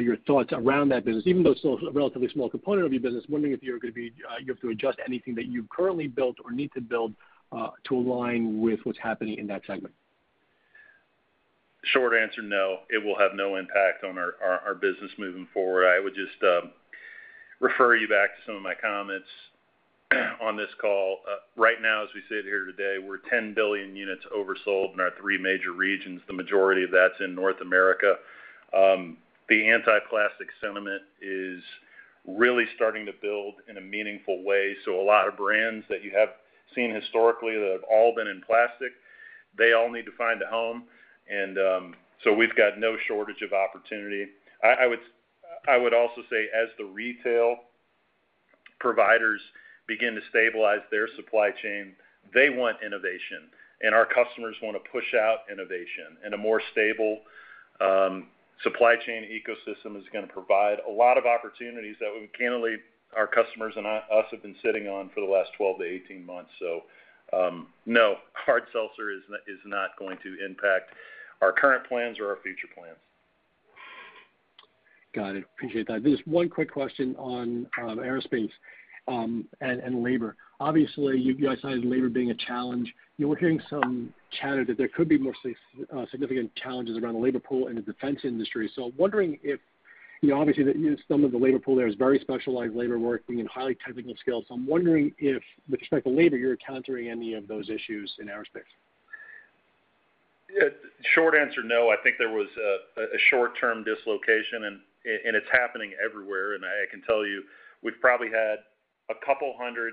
your thoughts around that business. Even though it's still a relatively small component of your business, I'm wondering if you have to adjust anything that you've currently built or need to build to align with what's happening in that segment. Short answer, no. It will have no impact on our business moving forward. I would just refer you back to some of my comments on this call. Right now as we sit here today, we're 10 billion units oversold in our three major regions. The majority of that's in North America. The anti-plastic sentiment is really starting to build in a meaningful way. A lot of brands that you have seen historically that have all been in plastic, they all need to find a home. We've got no shortage of opportunity. I would also say, as the retail providers begin to stabilize their supply chain, they want innovation, and our customers wanna push out innovation. A more stable supply chain ecosystem is gonna provide a lot of opportunities that we candidly, our customers and us have been sitting on for the last 12-18 months. No, hard seltzer is not going to impact our current plans or our future plans. Got it. Appreciate that. Just one quick question on aerospace and labor. Obviously, you guys cited labor being a challenge. You were hearing some chatter that there could be more significant challenges around the labor pool in the defense industry. So I'm wondering if, you know, obviously the, you know, some of the labor pool there is very specialized labor work being in highly technical skills. So I'm wondering if, with respect to labor, you're encountering any of those issues in aerospace. Yeah. Short answer, no. I think there was a short-term dislocation and it's happening everywhere. I can tell you we've probably had a couple hundred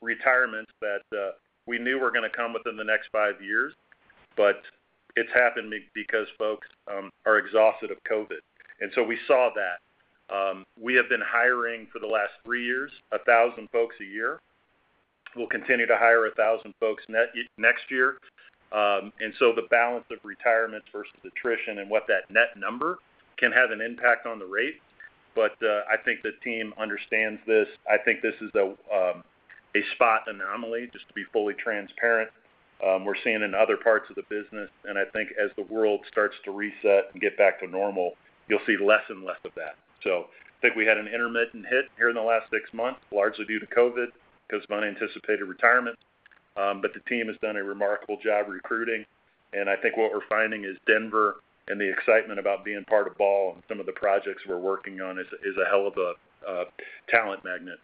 retirements that we knew were gonna come within the next five years, but it's happened because folks are exhausted of COVID. We saw that. We have been hiring for the last 3 years, 1,000 folks a year. We'll continue to hire 1,000 folks net next year. The balance of retirement versus attrition and what that net number can have an impact on the rate. I think the team understands this. I think this is a spot anomaly, just to be fully transparent, we're seeing in other parts of the business. I think as the world starts to reset and get back to normal, you'll see less and less of that. I think we had an intermittent hit here in the last six months, largely due to COVID, 'cause of unanticipated retirement. The team has done a remarkable job recruiting. I think what we're finding is Denver and the excitement about being part of Ball and some of the projects we're working on is a hell of a talent magnet.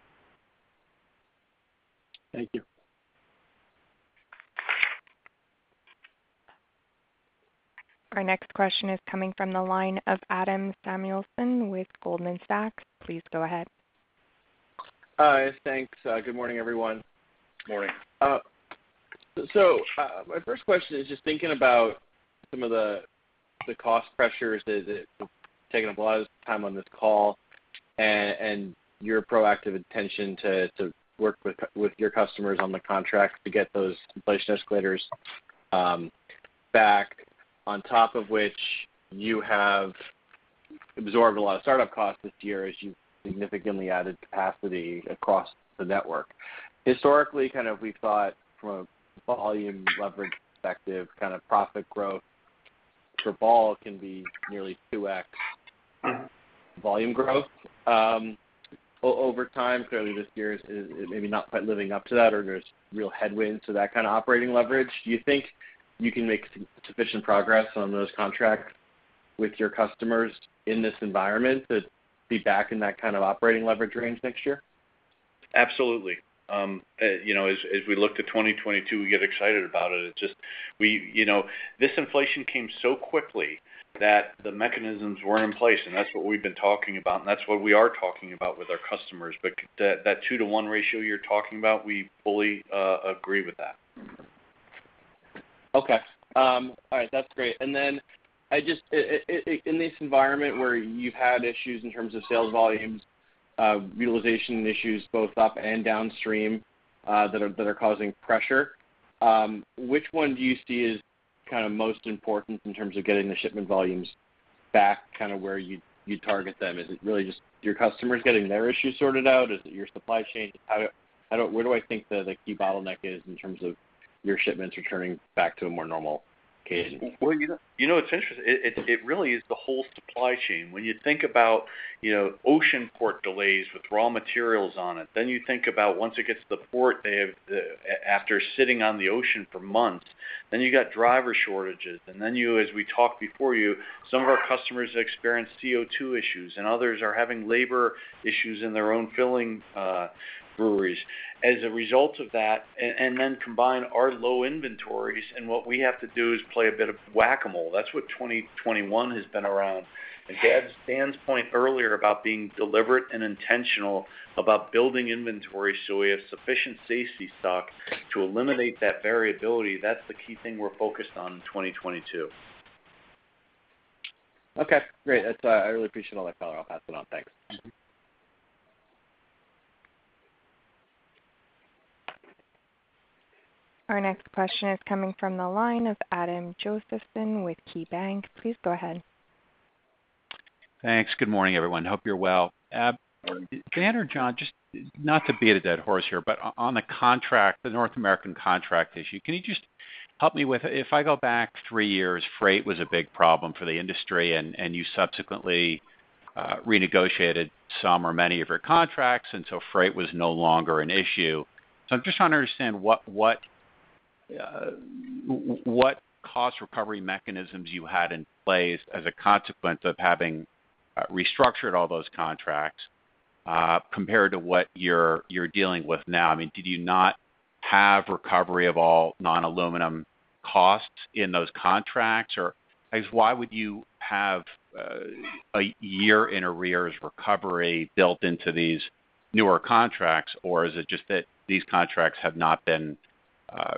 Thank you. Our next question is coming from the line of Adam Samuelson with Goldman Sachs. Please go ahead. Hi. Thanks. Good morning, everyone. Morning. My first question is just thinking about some of the cost pressures that have taken up a lot of time on this call and your proactive intention to work with your customers on the contract to get those inflation escalators back on top of which you have absorbed a lot of startup costs this year as you've significantly added capacity across the network. Historically, kind of we thought from a volume leverage perspective, kind of profit growth for Ball can be nearly 2x volume growth over time. Clearly, this year is maybe not quite living up to that or there's real headwinds to that kind of operating leverage. Do you think you can make sufficient progress on those contracts with your customers in this environment to be back in that kind of operating leverage range next year? Absolutely. You know, as we look to 2022, we get excited about it. You know, this inflation came so quickly that the mechanisms weren't in place, and that's what we've been talking about, and that's what we are talking about with our customers. That 2-to-1 ratio you're talking about, we fully agree with that. Okay. All right. That's great. In this environment where you've had issues in terms of sales volumes, utilization issues both up and downstream, that are causing pressure, which one do you see as kind of most important in terms of getting the shipment volumes back kind of where you'd target them? Is it really just your customers getting their issues sorted out? Is it your supply chain? Where do I think the key bottleneck is in terms of your shipments returning back to a more normal case? Well, you know, it's really the whole supply chain. When you think about, you know, ocean port delays with raw materials on it, then you think about once it gets to the port, after sitting on the ocean for months, then you got driver shortages. Then, as we talked before, some of our customers experience CO2 issues, and others are having labor issues in their own filling breweries. As a result of that, and then combine our low inventories, and what we have to do is play a bit of Whac-A-Mole. That's what 2021 has been around. To add to Dan's point earlier about being deliberate and intentional about building inventory so we have sufficient safety stock to eliminate that variability, that's the key thing we're focused on in 2022. Okay, great. That's, I really appreciate all that color. I'll pass it on. Thanks. Mm-hmm. Our next question is coming from the line of Adam Josephson with KeyBanc. Please go ahead. Thanks. Good morning, everyone. Hope you're well. Dan or John, just not to beat a dead horse here, but on the contract, the North American contract issue, can you just help me with, if I go back three years, freight was a big problem for the industry and you subsequently renegotiated some or many of your contracts, and so freight was no longer an issue. I'm just trying to understand what What cost recovery mechanisms you had in place as a consequence of having restructured all those contracts, compared to what you're dealing with now? I mean, did you not have recovery of all non-aluminum costs in those contracts? Or I guess, why would you have a year in arrears recovery built into these newer contracts? Or is it just that these contracts have not been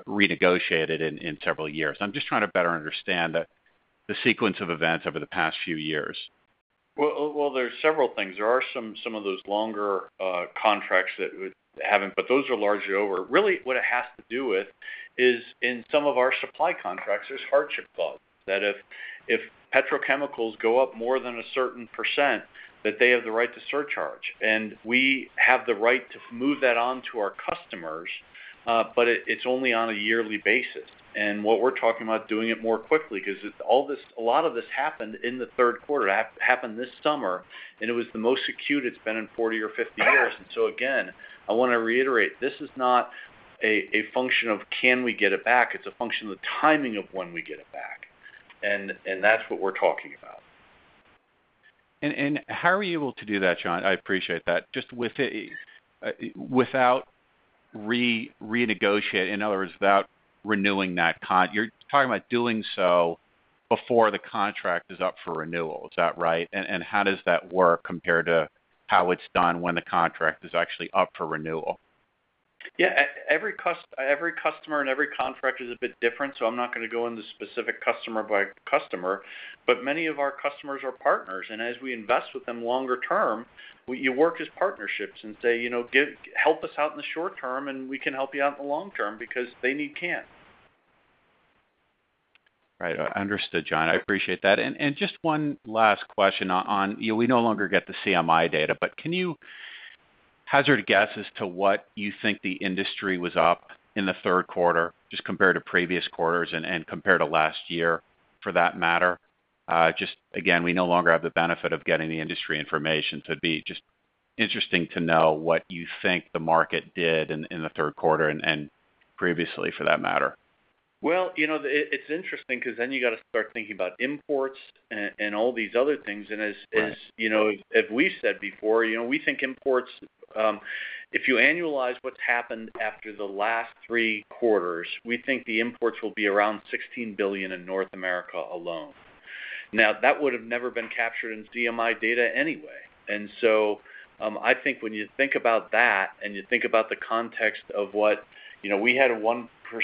renegotiated in several years? I'm just trying to better understand the sequence of events over the past few years. Well, there's several things. There are some of those longer contracts that haven't, but those are largely over. Really, what it has to do with is in some of our supply contracts, there's hardship clauses that if petrochemicals go up more than a certain percent, that they have the right to surcharge. We have the right to move that on to our customers, but it's only on a yearly basis. What we're talking about doing it more quickly, 'cause it's all this, a lot of this happened in the third quarter. It happened this summer, and it was the most acute it's been in 40 or 50 years. Again, I wanna reiterate, this is not a function of can we get it back. It's a function of the timing of when we get it back. That's what we're talking about. How are you able to do that, John? I appreciate that. Just without renegotiating, in other words, without renewing that contract. You're talking about doing so before the contract is up for renewal. Is that right? How does that work compared to how it's done when the contract is actually up for renewal? Yeah. Every customer and every contract is a bit different, so I'm not gonna go into specific customer-by-customer. Many of our customers are partners, and as we invest with them longer term, you work as partnerships and say, you know, help us out in the short-term, and we can help you out in the long-term because they need cans. Right. Understood, John. I appreciate that. Just one last question on, you know, we no longer get the CMI data, but can you hazard a guess as to what you think the industry was up in the third quarter just compared to previous quarters and compared to last year for that matter? Just again, we no longer have the benefit of getting the industry information. It'd be just interesting to know what you think the market did in the third quarter and previously for that matter. Well, you know, it's interesting 'cause then you gotta start thinking about imports and all these other things. Right. As you know, as we said before, you know, we think imports, if you annualize what's happened after the last 3 quarters, we think the imports will be around 16 billion in North America alone. Now, that would have never been captured in CMI data anyway. I think when you think about that and you think about the context of what you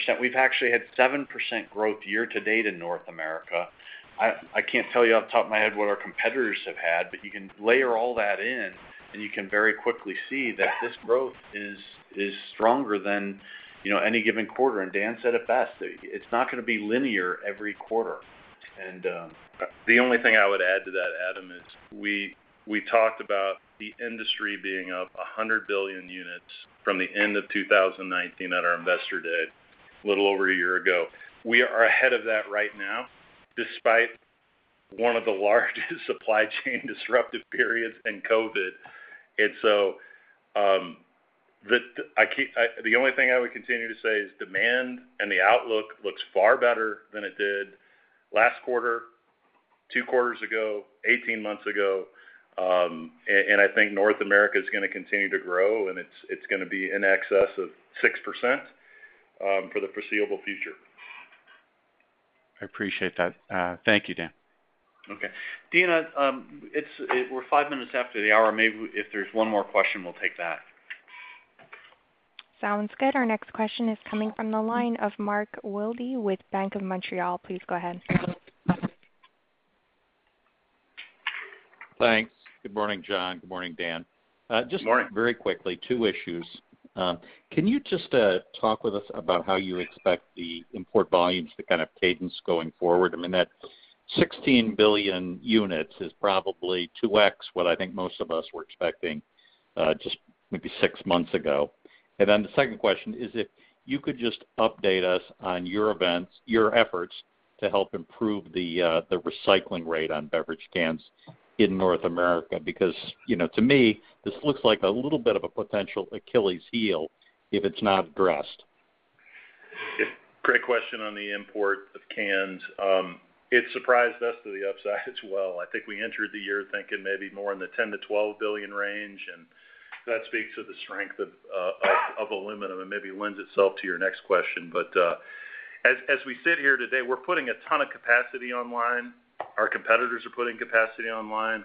know, we have actually had 7% growth year-to-date in North America. I can't tell you off the top of my head what our competitors have had, but you can layer all that in and you can very quickly see that this growth is stronger than, you know, any given quarter. Dan said it best. It's not gonna be linear every quarter. The only thing I would add to that, Adam, is we talked about the industry being up 100 billion units from the end of 2019 at our Investor Day, little over a year ago. We are ahead of that right now despite one of the largest supply chain disruptive periods and COVID. The only thing I would continue to say is demand and the outlook looks far better than it did last quarter, two quarters ago, 18 months ago. And I think North America is gonna continue to grow, and it's gonna be in excess of 6%, for the foreseeable future. I appreciate that. Thank you, Dan. Okay. Dina, we're five minutes after the hour. Maybe if there's one more question, we'll take that. Sounds good. Our next question is coming from the line of Mark Wilde with Bank of Montreal. Please go ahead. Thanks. Good morning, John. Good morning, Dan. Good morning. Just very quickly, two issues. Can you just talk with us about how you expect the import volumes to kind of cadence going forward? I mean, that 16 billion units is probably 2X what I think most of us were expecting, just maybe six months ago. And then the second question is if you could just update us on your efforts to help improve the recycling rate on beverage cans in North America. Because, you know, to me, this looks like a little bit of a potential Achilles heel if it's not addressed. Great question on the import of cans. It surprised us to the upside as well. I think we entered the year thinking maybe more in the 10 billion-12 billion range, and that speaks to the strength of aluminum and maybe lends itself to your next question. As we sit here today, we're putting a ton of capacity online. Our competitors are putting capacity online.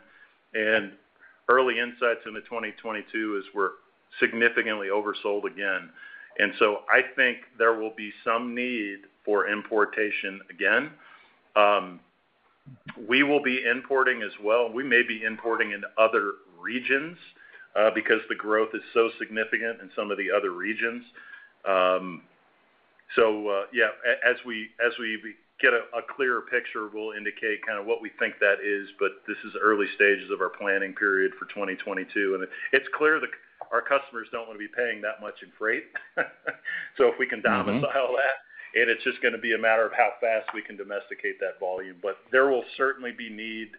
Early insights into 2022 is we're significantly oversold again. I think there will be some need for importation again. We will be importing as well. We may be importing into other regions because the growth is so significant in some of the other regions. As we get a clearer picture, we'll indicate kind of what we think that is, but this is early stages of our planning period for 2022. It's clear that our customers don't want to be paying that much in freight. If we can domicile that. It's just gonna be a matter of how fast we can domesticate that volume. There will certainly be need,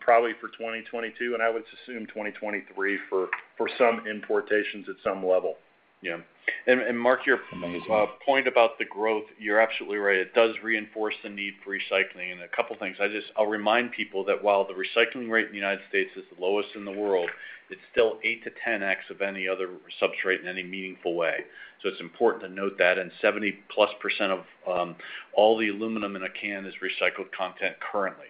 probably for 2022, and I would assume 2023 for some importations at some level. Yeah. Mark, your point about the growth, you're absolutely right. It does reinforce the need for recycling. A couple things. I'll remind people that while the recycling rate in the United States is the lowest in the world, it's still 8-10x of any other substrate in any meaningful way. It's important to note that. +70% of all the aluminum in a can is recycled content currently.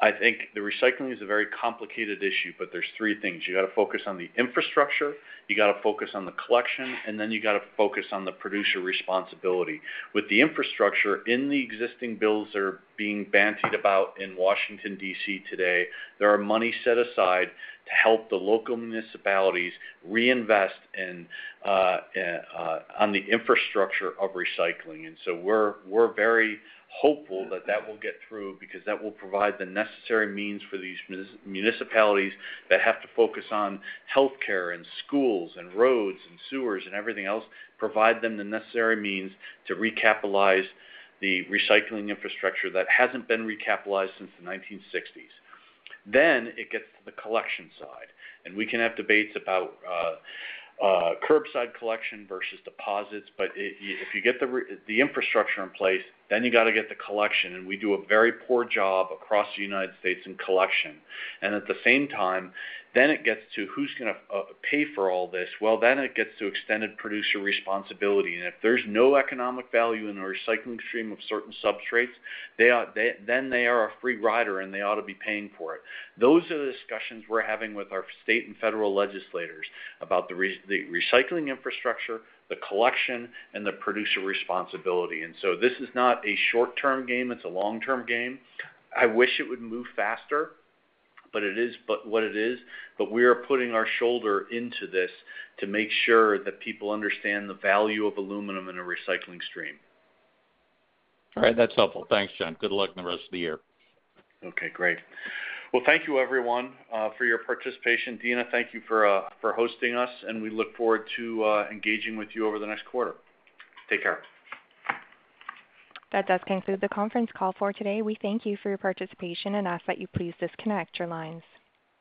I think the recycling is a very complicated issue, but there's three things. You got to focus on the infrastructure, you got to focus on the collection, and then you got to focus on the producer responsibility. With the infrastructure in the existing bills that are being bandied about in Washington, D.C. today, there are money set aside to help the local municipalities reinvest in on the infrastructure of recycling. We're very hopeful that that will get through because that will provide the necessary means for these municipalities that have to focus on health care and schools and roads and sewers and everything else, provide them the necessary means to recapitalize the recycling infrastructure that hasn't been recapitalized since the 1960s. It gets to the collection side, and we can have debates about curbside collection versus deposits. If you get the infrastructure in place, then you got to get the collection. We do a very poor job across the United States in collection. At the same time, then it gets to who's gonna pay for all this. Well, then it gets to extended producer responsibility. If there's no economic value in the recycling stream of certain substrates, they are a free rider, and they ought to be paying for it. Those are the discussions we're having with our state and federal legislators about the recycling infrastructure, the collection, and the producer responsibility. This is not a short-term game. It's a long-term game. I wish it would move faster, but it is but what it is. We are putting our shoulder into this to make sure that people understand the value of aluminum in a recycling stream. All right. That's helpful. Thanks, John. Good luck in the rest of the year. Okay, great. Well, thank you everyone for your participation. Dina, thank you for hosting us, and we look forward to engaging with you over the next quarter. Take care. That does conclude the conference call for today. We thank you for your participation and ask that you please disconnect your lines.